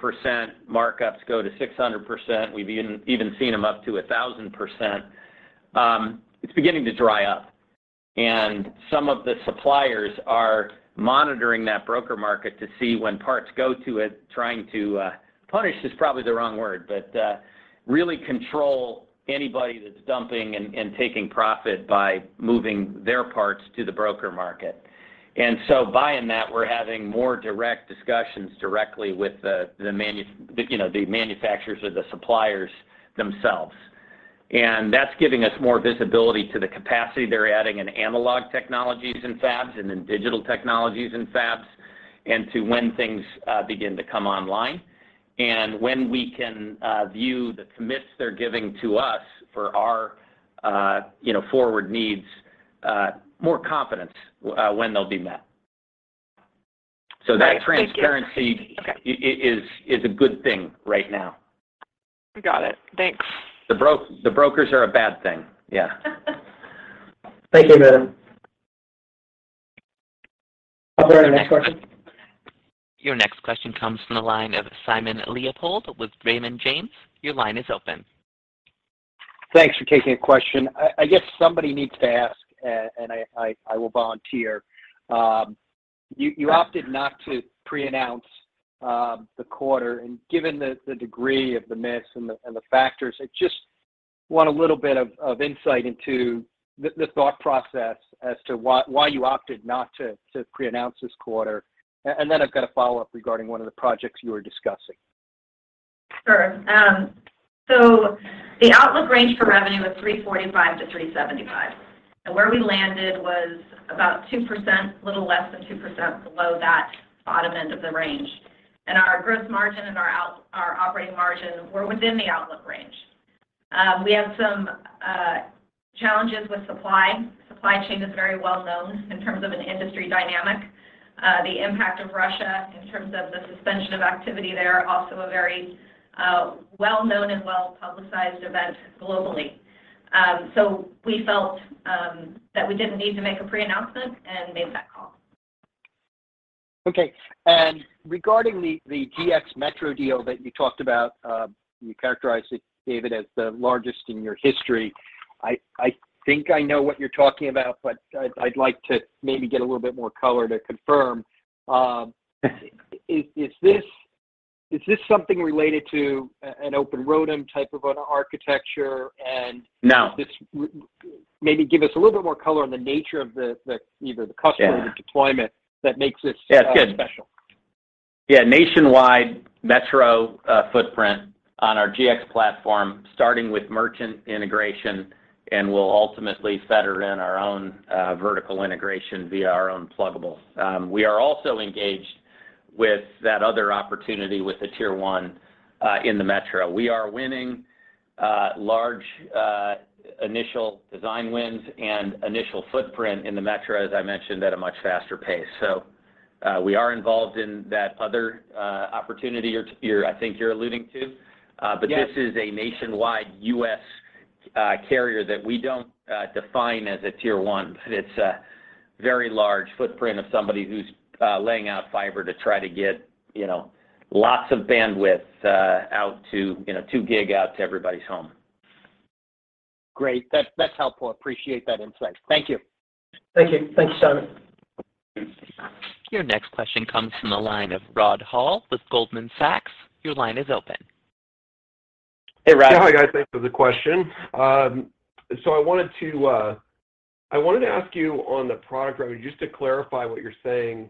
[SPEAKER 3] markups go to 600%, we've even seen them up to 1,000%, it's beginning to dry up. Some of the suppliers are monitoring that broker market to see when parts go to it, trying to punish is probably the wrong word, but really control anybody that's dumping and taking profit by moving their parts to the broker market. By that, we're having more direct discussions directly with the manufacturers or the suppliers themselves. That's giving us more visibility to the capacity they're adding in analog technologies and fabs and in digital technologies and fabs, and to when things begin to come online. When we can view the commits they're giving to us for our, you know, forward needs, more confidence when they'll be met.
[SPEAKER 4] Great. Thank you.
[SPEAKER 3] That transparency.
[SPEAKER 4] Okay.
[SPEAKER 3] Is a good thing right now.
[SPEAKER 4] Got it. Thanks.
[SPEAKER 3] The brokers are a bad thing. Yeah. Thank you, madam. Operator, next question.
[SPEAKER 1] Your next question comes from the line of Simon Leopold with Raymond James. Your line is open.
[SPEAKER 8] Thanks for taking a question. I guess somebody needs to ask, and I will volunteer. You opted not to preannounce the quarter, and given the degree of the miss and the factors, I just want a little bit of insight into the thought process as to why you opted not to preannounce this quarter. Then I've got a follow-up regarding one of the projects you were discussing.
[SPEAKER 4] Sure. The outlook range for revenue was $345 million-$375 million. Where we landed was about 2%, a little less than 2% below that bottom end of the range. Our gross margin and our operating margin were within the outlook range. We have some challenges with supply. Supply chain is very well known in terms of an industry dynamic. The impact of Russia in terms of the suspension of activity there, also a very well-known and well-publicized event globally. We felt that we didn't need to make a preannouncement and made that call.
[SPEAKER 8] Okay. Regarding the GX Metro deal that you talked about, you characterized it, David, as the largest in your history. I think I know what you're talking about, but I'd like to maybe get a little bit more color to confirm. Is this something related to an open ROADM type of an architecture?
[SPEAKER 3] No.
[SPEAKER 8] Maybe give us a little bit more color on the nature of the either the customer.
[SPEAKER 3] Yeah
[SPEAKER 8] The deployment that makes this.
[SPEAKER 3] Yeah. It's good.
[SPEAKER 8] Special.
[SPEAKER 3] Yeah, nationwide metro footprint on our GX platform, starting with merchant integration, and we'll ultimately feature in our own vertical integration via our own pluggables. We are also engaged with that other opportunity with the tier one in the metro. We are winning large initial design wins and initial footprint in the metro, as I mentioned, at a much faster pace. We are involved in that other opportunity you're, I think you're alluding to.
[SPEAKER 8] Yes
[SPEAKER 3] This is a nationwide U.S. carrier that we don't define as a tier one. It's a very large footprint of somebody who's laying out fiber to try to get, you know, lots of bandwidth out to, you know, two gig out to everybody's home.
[SPEAKER 8] Great. That's helpful. Appreciate that insight. Thank you, Simon.
[SPEAKER 1] Your next question comes from the line of Rod Hall with Goldman Sachs. Your line is open.
[SPEAKER 3] Hey, Rod.
[SPEAKER 9] Yeah. Hi, guys. Thanks for the question. So I wanted to ask you on the product revenue, just to clarify what you're saying,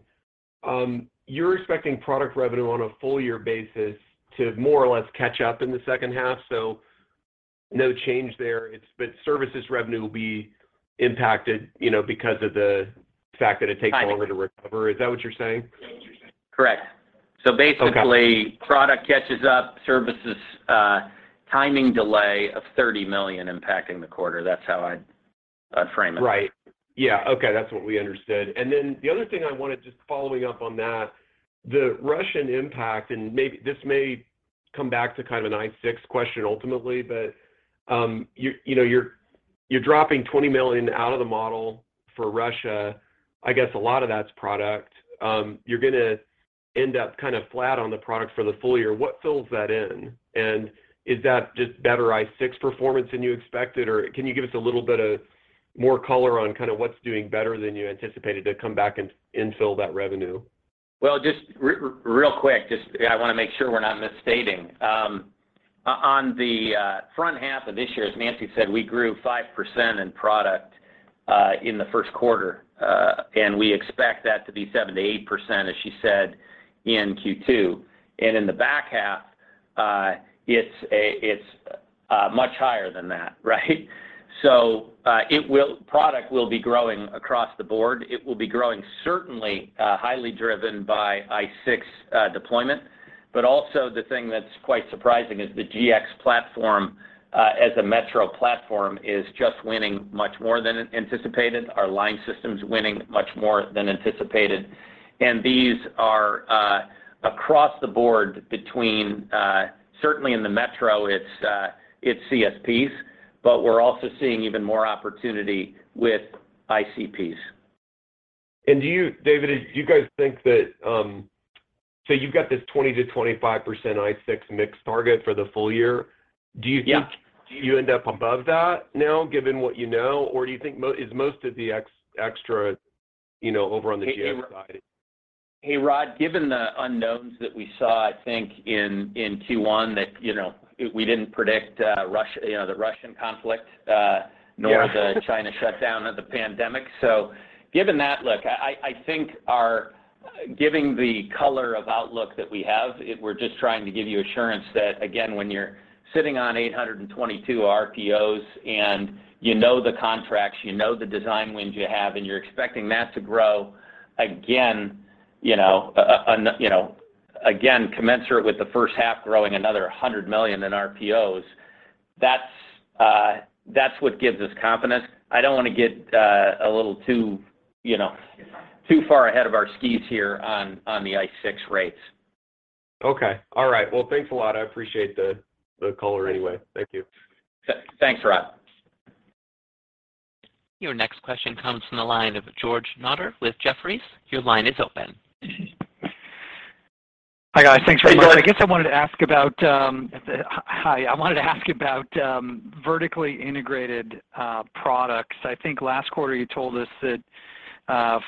[SPEAKER 9] you're expecting product revenue on a full year basis to more or less catch up in the second half, so no change there. It's. Services revenue will be impacted, you know, because of the fact that it takes.
[SPEAKER 3] Got you.
[SPEAKER 9] Longer to recover. Is that what you're saying?
[SPEAKER 3] Correct.
[SPEAKER 9] Okay.
[SPEAKER 3] Basically, product catches up, services, timing delay of $30 million impacting the quarter. That's how I'd frame it.
[SPEAKER 9] Right. Yeah. Okay. That's what we understood. The other thing I wanted, just following up on that, the Russian impact, and maybe this may come back to kind of an ICE6 question ultimately, but you know, you're dropping $20 million out of the model for Russia. I guess a lot of that's product. You're gonna end up kind of flat on the product for the full year. What fills that in? Is that just better ICE6 performance than you expected? Or can you give us a little more color on kind of what's doing better than you anticipated to come back and fill in that revenue?
[SPEAKER 3] Just real quick, I want to make sure we're not misstating. On the front half of this year, as Nancy said, we grew 5% in product in the first quarter. We expect that to be 7%-8%, as she said, in Q2. In the back half, it's much higher than that, right? Product will be growing across the board. It will be growing certainly, highly driven by ICE6 deployment. The thing that's quite surprising is the GX platform as a metro platform is just winning much more than anticipated. Our line system's winning much more than anticipated. These are across the board between certainly in the metro, it's CSPs, but we're also seeing even more opportunity with ICPs.
[SPEAKER 9] Do you, David, do you guys think that, so you've got this 20%-25% ICE6 mix target for the full year?
[SPEAKER 3] Yeah.
[SPEAKER 9] Do you think you end up above that now given what you know, or do you think most of the extra, you know, over on the GX side?
[SPEAKER 3] Hey, Rod, given the unknowns that we saw, I think in Q1 that, you know, we didn't predict, you know, the Russian conflict.
[SPEAKER 9] Yeah.
[SPEAKER 3] nor the China shutdown of the pandemic. Given that, look, I think our giving the color of outlook that we have, we're just trying to give you assurance that again, when you're sitting on $822 million RPOs, and you know the contracts, you know the design wins you have, and you're expecting that to grow again, you know, again, commensurate with the first half growing another $100 million in RPOs, that's what gives us confidence. I don't want to get a little too, you know, too far ahead of our skis here on the ICE6 rates.
[SPEAKER 9] Okay. All right. Well, thanks a lot. I appreciate the color anyway. Thank you.
[SPEAKER 3] Thanks, Rod.
[SPEAKER 1] Your next question comes from the line of George Notter with Jefferies. Your line is open.
[SPEAKER 10] Hi, guys. Thanks very much.
[SPEAKER 3] Hey, George.
[SPEAKER 10] I wanted to ask about vertically integrated products. I think last quarter you told us that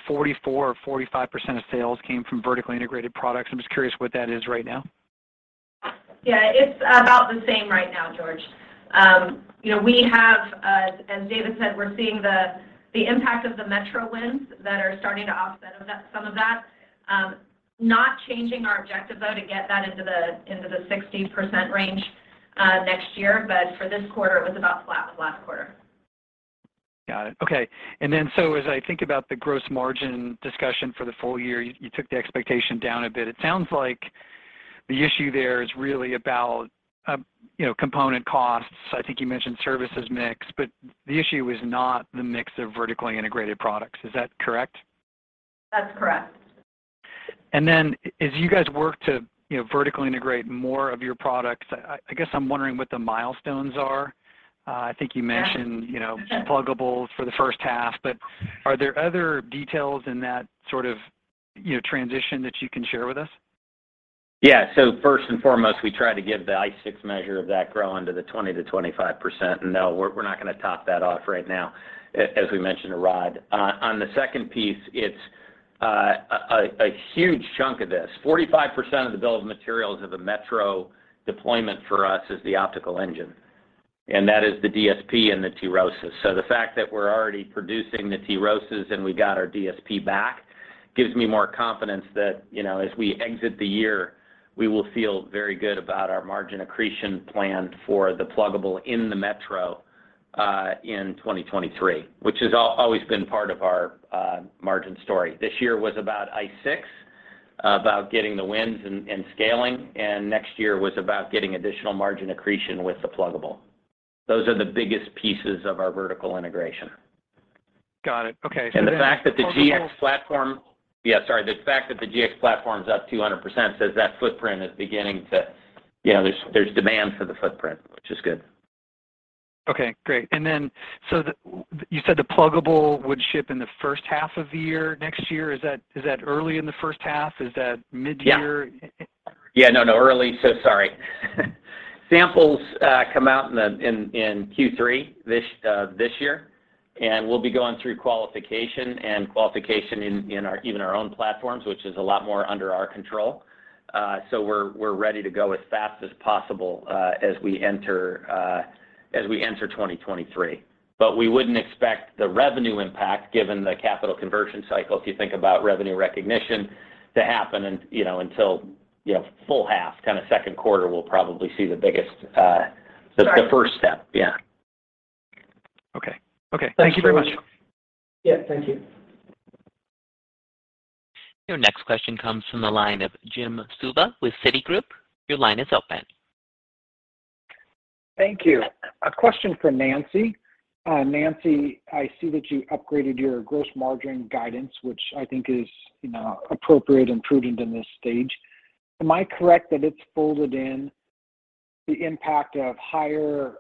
[SPEAKER 10] 44% or 45% of sales came from vertically integrated products. I'm just curious what that is right now.
[SPEAKER 4] Yeah, it's about the same right now, George. You know, we have, as David said, we're seeing the impact of the metro wins that are starting to offset some of that. Not changing our objective, though, to get that into the 60% range next year. For this quarter, it was about flat with last quarter.
[SPEAKER 10] Got it. Okay. As I think about the gross margin discussion for the full year, you took the expectation down a bit. It sounds like the issue there is really about, you know, component costs. I think you mentioned services mix, but the issue is not the mix of vertically integrated products. Is that correct?
[SPEAKER 4] That's correct.
[SPEAKER 10] Then as you guys work to, you know, vertically integrate more of your products, I guess I'm wondering what the milestones are. I think you mentioned-
[SPEAKER 3] Yeah.
[SPEAKER 10] You know, pluggables for the first half, but are there other details in that sort of, you know, transition that you can share with us?
[SPEAKER 3] Yeah. First and foremost, we try to give the ICE6 measure of that growth into the 20%-25%. No, we're not going to top that off right now, as we mentioned to Rod. On the second piece, it's a huge chunk of this. 45% of the bill of materials of a metro deployment for us is the optical engine, and that is the DSP and the TROSA. The fact that we're already producing the TROSA and we got our DSP back gives me more confidence that, you know, as we exit the year, we will feel very good about our margin accretion plan for the pluggable in the metro in 2023, which has always been part of our margin story. This year was about ICE6, about getting the wins and scaling, and next year was about getting additional margin accretion with the pluggable. Those are the biggest pieces of our vertical integration.
[SPEAKER 10] Got it. Okay.
[SPEAKER 3] The fact that the GX platform.
[SPEAKER 10] Pluggables.
[SPEAKER 3] Yeah, sorry. The fact that the GX platform is up 200% says that footprint is beginning to you know, there's demand for the footprint, which is good.
[SPEAKER 10] Okay, great. You said the pluggable would ship in the first half of the year, next year. Is that early in the first half? Is that midyear?
[SPEAKER 3] Yeah. No, early. Sorry. Samples come out in Q3 this year, and we'll be going through qualification in our own platforms, which is a lot more under our control. We're ready to go as fast as possible as we enter 2023. We wouldn't expect the revenue impact given the cash conversion cycle, if you think about revenue recognition to happen, you know, until, you know, first half, kind of second quarter. We'll probably see the biggest.
[SPEAKER 10] Got it.
[SPEAKER 3] The first step. Yeah.
[SPEAKER 10] Okay. Thank you very much.
[SPEAKER 3] Thanks, George.
[SPEAKER 1] Yeah. Thank you. Your next question comes from the line of Jim Suva with Citigroup. Your line is open.
[SPEAKER 11] Thank you. A question for Nancy. Nancy, I see that you upgraded your gross margin guidance, which I think is, you know, appropriate and prudent in this stage. Am I correct that it's folded in the impact of higher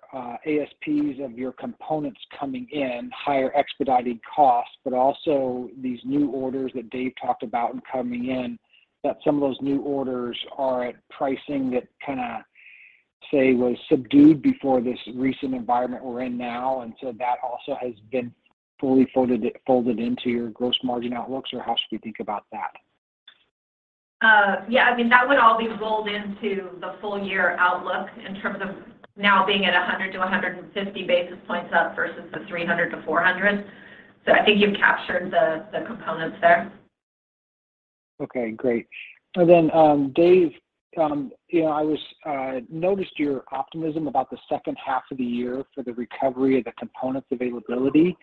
[SPEAKER 11] ASPs of your components coming in, higher expedited costs, but also these new orders that Dave talked about coming in, that some of those new orders are at pricing that kinda, say, was subdued before this recent environment we're in now, and so that also has been fully folded into your gross margin outlook, or how should we think about that?
[SPEAKER 4] Yeah, I mean, that would all be rolled into the full year outlook in terms of now being at 100-150 basis points up versus the 300-400. I think you've captured the components there.
[SPEAKER 11] Okay, great. David, you know, I noticed your optimism about the second half of the year for the recovery of the components availability.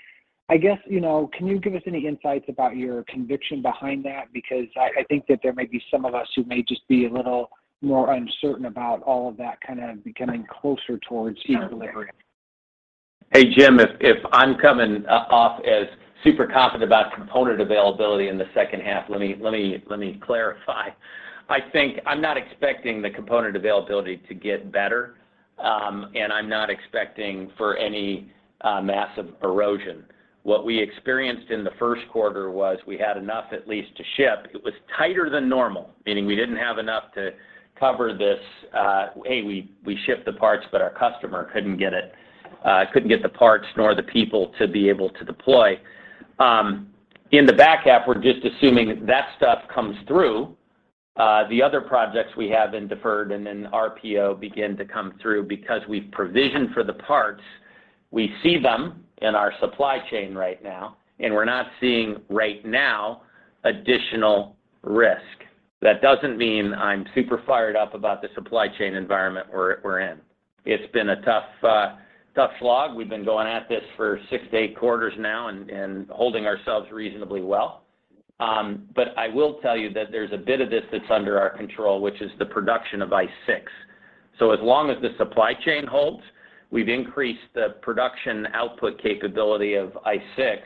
[SPEAKER 11] I guess, you know, can you give us any insights about your conviction behind that? Because I think that there may be some of us who may just be a little more uncertain about all of that kind of becoming closer towards equilibrium.
[SPEAKER 3] Hey, Jim, if I'm coming off as super confident about component availability in the second half, let me clarify. I think I'm not expecting the component availability to get better, and I'm not expecting for any massive erosion. What we experienced in the first quarter was we had enough at least to ship. It was tighter than normal, meaning we didn't have enough to cover this. We shipped the parts, but our customer couldn't get it, couldn't get the parts nor the people to be able to deploy. In the back half, we're just assuming that stuff comes through. The other projects that have been deferred and then RPO begin to come through because we've provisioned for the parts. We see them in our supply chain right now, and we're not seeing right now additional risk. That doesn't mean I'm super fired up about the supply chain environment we're in. It's been a tough slog. We've been going at this for six to eight quarters now and holding ourselves reasonably well. I will tell you that there's a bit of this that's under our control, which is the production of ICE6. As long as the supply chain holds, we've increased the production output capability of ICE6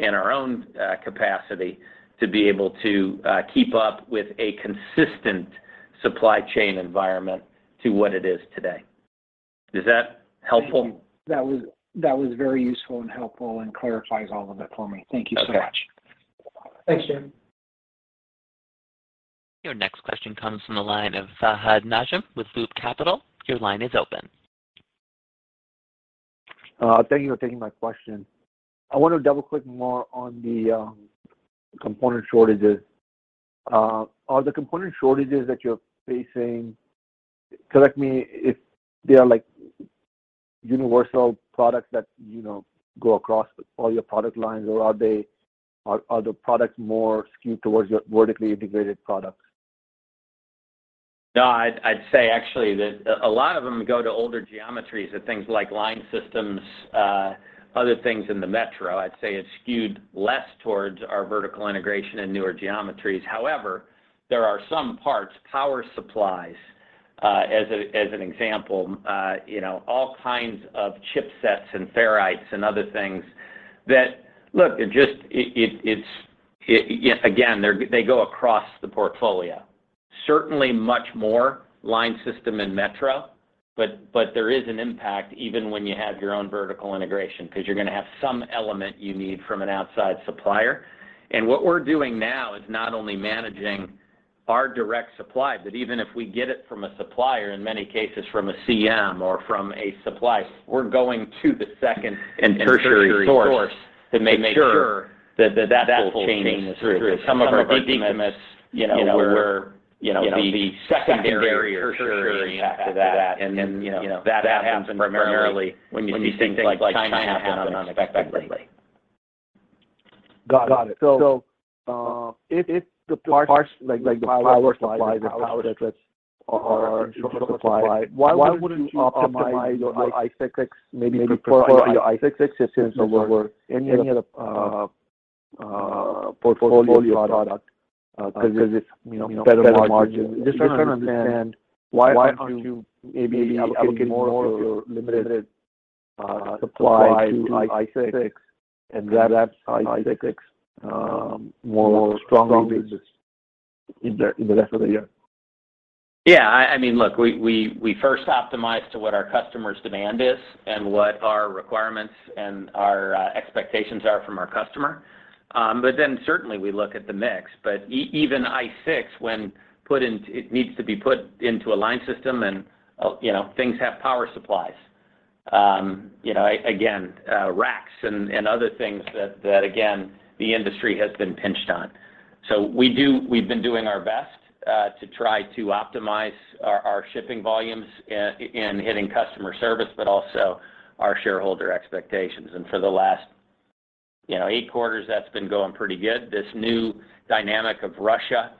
[SPEAKER 3] and our own capacity to be able to keep up with a consistent supply chain environment to what it is today. Is that helpful?
[SPEAKER 11] Thank you. That was very useful and helpful and clarifies all of it for me. Thank you so much.
[SPEAKER 3] Okay. Thanks, Jim.
[SPEAKER 1] Your next question comes from the line of Fahad Najam with Loop Capital. Your line is open.
[SPEAKER 12] Thank you for taking my question. I want to double-click more on the component shortages. Are the component shortages that you're facing, correct me if they are like universal products that, you know, go across all your product lines, or are the products more skewed towards your vertically integrated products?
[SPEAKER 3] No, I'd say actually that a lot of them go to older geometries and things like line systems, other things in the metro. I'd say it's skewed less towards our vertical integration and newer geometries. However, there are some parts, power supplies, as an example, you know, all kinds of chipsets and ferrules and other things that. Look, it just is. Yes, again, they go across the portfolio. Certainly much more line system and metro, but there is an impact even when you have your own vertical integration because you're gonna have some element you need from an outside supplier. What we're doing now is not only managing our direct supply, but even if we get it from a supplier, in many cases from a CM or from a supplier, we're going to the second and tertiary source to make sure that that whole chain is through. Some of our behemoths, you know, we're, you know, the secondary or tertiary impact to that. You know, that happens primarily when you see things like China happen unexpectedly.
[SPEAKER 12] Got it. If the parts like the power supplies and power chipsets are in short supply, why wouldn't you optimize your ICE6 maybe for your ICE6 systems over any other portfolio product? Because it's, you know, better margin. Just trying to understand why aren't you maybe allocating more of your limited supply to ICE6 and grab ICE6 more strongly in the rest of the year?
[SPEAKER 3] Yeah. I mean, look, we first optimize to what our customer's demand is and what our requirements and our expectations are from our customer. Certainly we look at the mix. Even ICE6 when put into it needs to be put into a line system and you know things have power supplies. You know, again, racks and other things that again the industry has been pinched on. We've been doing our best to try to optimize our shipping volumes in hitting customer service, but also our shareholder expectations. For the last, you know, eight quarters, that's been going pretty good. This new dynamic of Russia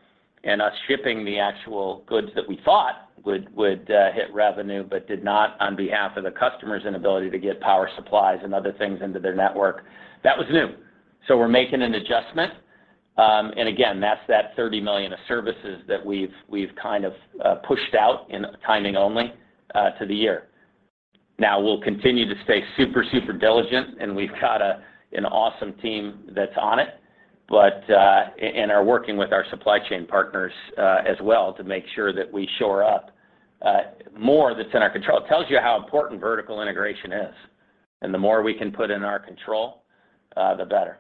[SPEAKER 3] and us shipping the actual goods that we thought would hit revenue but did not due to the customer's inability to get power supplies and other things into their network, that was new. We're making an adjustment. Again, that's the $30 million of services that we've kind of pushed out in timing only to the year. Now we'll continue to stay super diligent, and we've got an awesome team that's on it and are working with our supply chain partners as well to make sure that we shore up more that's in our control. Tells you how important vertical integration is. The more we can put in our control, the better.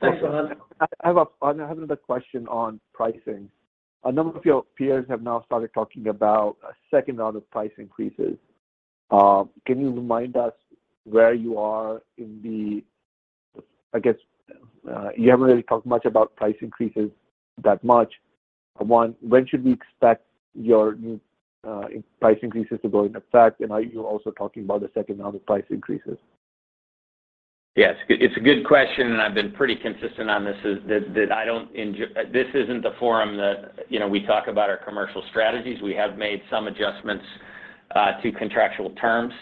[SPEAKER 12] Thanks a lot. I have another question on pricing. A number of your peers have now started talking about a second round of price increases. Can you remind us where you are in. I guess, you haven't really talked much about price increases that much. One, when should we expect your new price increases to go into effect? And are you also talking about the second round of price increases?
[SPEAKER 3] Yes. It's a good question, and I've been pretty consistent on this. This isn't the forum that, you know, we talk about our commercial strategies. We have made some adjustments to contractual terms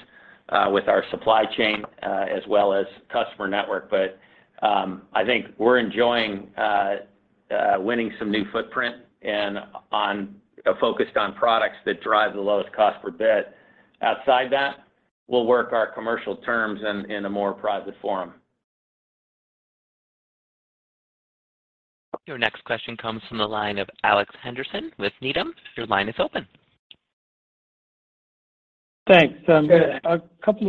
[SPEAKER 3] with our supply chain as well as customer network. I think we're enjoying winning some new footprint and focused on products that drive the lowest cost per bit. Outside that, we'll work our commercial terms in a more private forum.
[SPEAKER 1] Your next question comes from the line of Alex Henderson with Needham. Your line is open.
[SPEAKER 6] Thanks.
[SPEAKER 3] Yeah.
[SPEAKER 6] A couple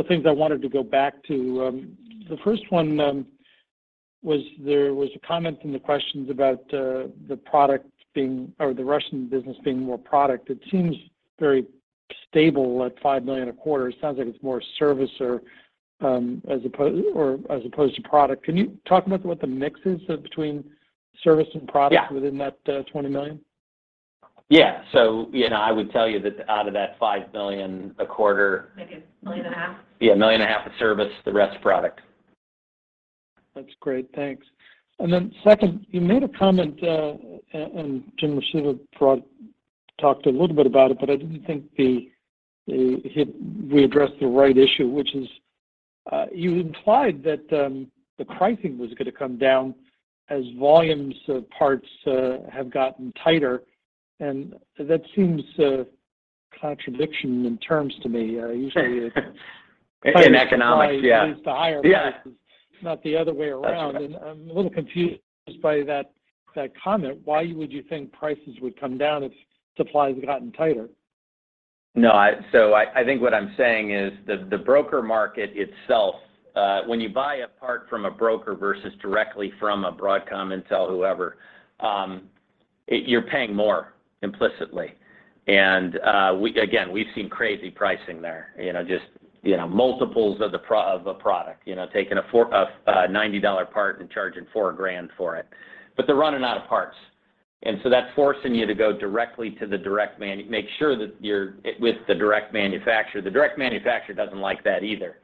[SPEAKER 6] of things I wanted to go back to. The first one was a comment in the questions about the product being or the Russian business being more product. It seems very stable at $5 million a quarter. It sounds like it's more service or as opposed to product. Can you talk about what the mix is between service and product?
[SPEAKER 3] Yeah
[SPEAKER 6] Within that, $20 million?
[SPEAKER 3] Yeah. You know, I would tell you that out of that $5 million a quarter-
[SPEAKER 4] Like $1.5 million.
[SPEAKER 3] Yeah, $1.5 million of service, the rest product.
[SPEAKER 6] That's great. Thanks. Second, you made a comment, and Jim Suva talked a little bit about it, but I didn't think he addressed the right issue, which is, you implied that the pricing was gonna come down as volumes of parts have gotten tighter, and that seems a contradiction in terms to me. Usually.
[SPEAKER 3] In economics, yeah.
[SPEAKER 6] Leads to higher prices.
[SPEAKER 3] Yeah.
[SPEAKER 6] Not the other way around.
[SPEAKER 3] That's right.
[SPEAKER 6] I'm a little confused by that comment. Why would you think prices would come down if supply has gotten tighter?
[SPEAKER 3] No, I think what I'm saying is the broker market itself, when you buy a part from a broker versus directly from a Broadcom, Intel, whoever, you're paying more implicitly. Again, we've seen crazy pricing there, you know, just, you know, multiples of a product. You know, taking a $90 part and charging $4,000 for it. They're running out of parts. That's forcing you to go directly to the direct manufacturer. Make sure that you're with the direct manufacturer. The direct manufacturer doesn't like that either.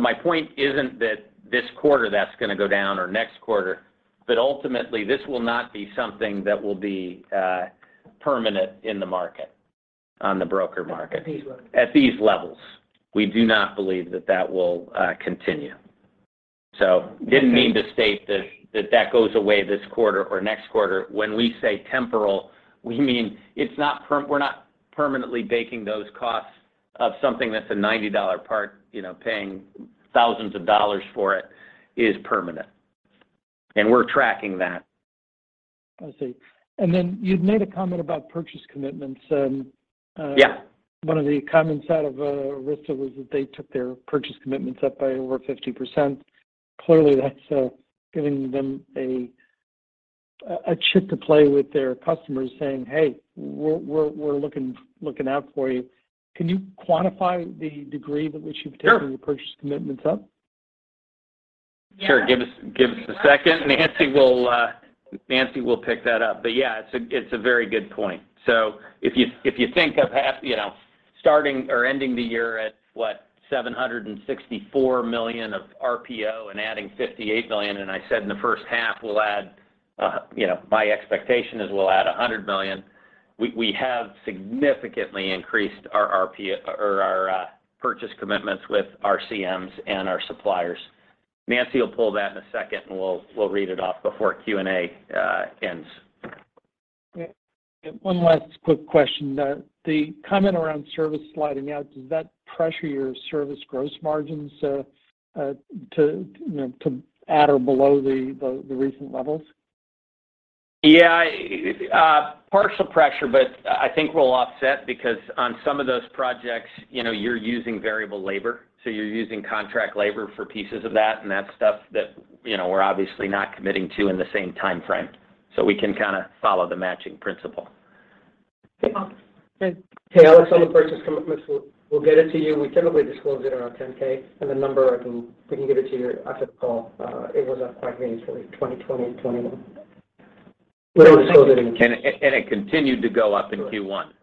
[SPEAKER 3] My point isn't that this quarter that's gonna go down or next quarter, but ultimately, this will not be something that will be permanent in the market, on the broker market.
[SPEAKER 4] At these levels.
[SPEAKER 3] At these levels. We do not believe that that will continue. Didn't mean to state that goes away this quarter or next quarter. When we say temporal, we mean we're not permanently baking those costs of something that's a $90 part, you know, paying thousands of dollars for it is permanent. We're tracking that.
[SPEAKER 6] I see. You'd made a comment about purchase commitments.
[SPEAKER 3] Yeah.
[SPEAKER 6] One of the comments out of Arista was that they took their purchase commitments up by over 50%. Clearly, that's giving them a chip to play with their customers saying, "Hey, we're looking out for you." Can you quantify the degree to which you've taken-
[SPEAKER 3] Sure.
[SPEAKER 6] The purchase commitments up?
[SPEAKER 4] Yeah.
[SPEAKER 3] Sure. Give us a second. Nancy will pick that up. Yeah, it's a very good point. If you think of half, you know, starting or ending the year at what, $764 million of RPO and adding $58 million, and I said in the first half we'll add, you know, my expectation is we'll add $100 million. We have significantly increased our RPO or our purchase commitments with CSPs and our suppliers. Nancy will pull that in a second, and we'll read it off before Q&A ends.
[SPEAKER 6] Okay. One last quick question. The comment around service sliding out, does that pressure your service gross margins to, you know, at or below the recent levels?
[SPEAKER 3] Yeah. Partial pressure, but I think we'll offset because on some of those projects, you know, you're using variable labor, so you're using contract labor for pieces of that, and that's stuff that, you know, we're obviously not committing to in the same timeframe. We can kinda follow the matching principle.
[SPEAKER 4] Hey, Alex, on the purchase commitments, we'll get it to you. We typically disclose it around 10-K, and the number we can give it to you after the call. It was up quite meaningfully, 2020 and 2021. We'll disclose it in the.
[SPEAKER 3] It continued to go up in Q1.
[SPEAKER 4] Correct.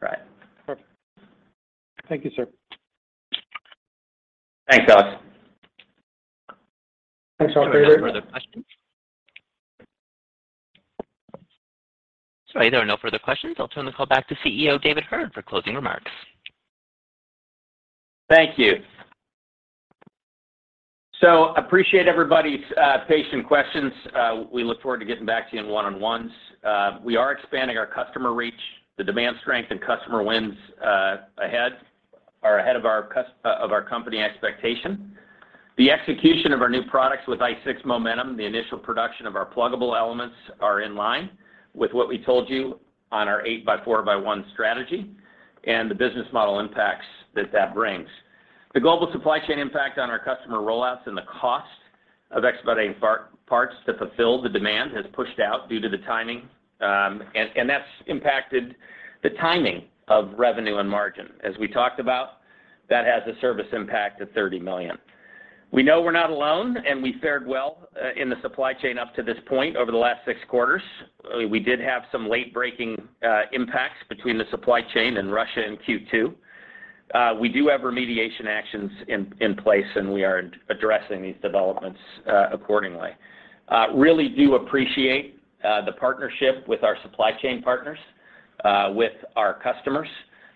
[SPEAKER 3] Right.
[SPEAKER 6] Perfect. Thank you, sir.
[SPEAKER 3] Thanks, Alex.
[SPEAKER 6] Thanks, operator.
[SPEAKER 1] There are no further questions. Sorry, there are no further questions. I'll turn the call back to CEO David Heard for closing remarks.
[SPEAKER 3] Thank you. Appreciate everybody's patience and questions. We look forward to getting back to you in one-on-ones. We are expanding our customer reach. The demand strength and customer wins ahead are ahead of our company expectation. The execution of our new products with ICE6 momentum, the initial production of our pluggable elements are in line with what we told you on our 8x4x1 strategy and the business model impacts that brings. The global supply chain impact on our customer rollouts and the cost of expediting parts to fulfill the demand has pushed out due to the timing. That's impacted the timing of revenue and margin. As we talked about, that has a service impact of $30 million. We know we're not alone, and we fared well in the supply chain up to this point over the last six quarters. We did have some late-breaking impacts between the supply chain and Russia in Q2. We do have remediation actions in place, and we are addressing these developments accordingly. Really do appreciate the partnership with our supply chain partners with our customers,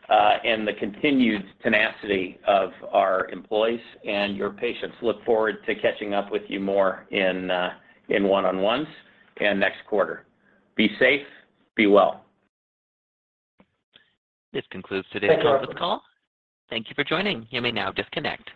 [SPEAKER 3] and the continued tenacity of our employees and your patience. Look forward to catching up with you more in one-on-ones and next quarter. Be safe. Be well.
[SPEAKER 1] This concludes today's conference call.
[SPEAKER 3] Thank you, everyone.
[SPEAKER 1] Thank you for joining. You may now disconnect.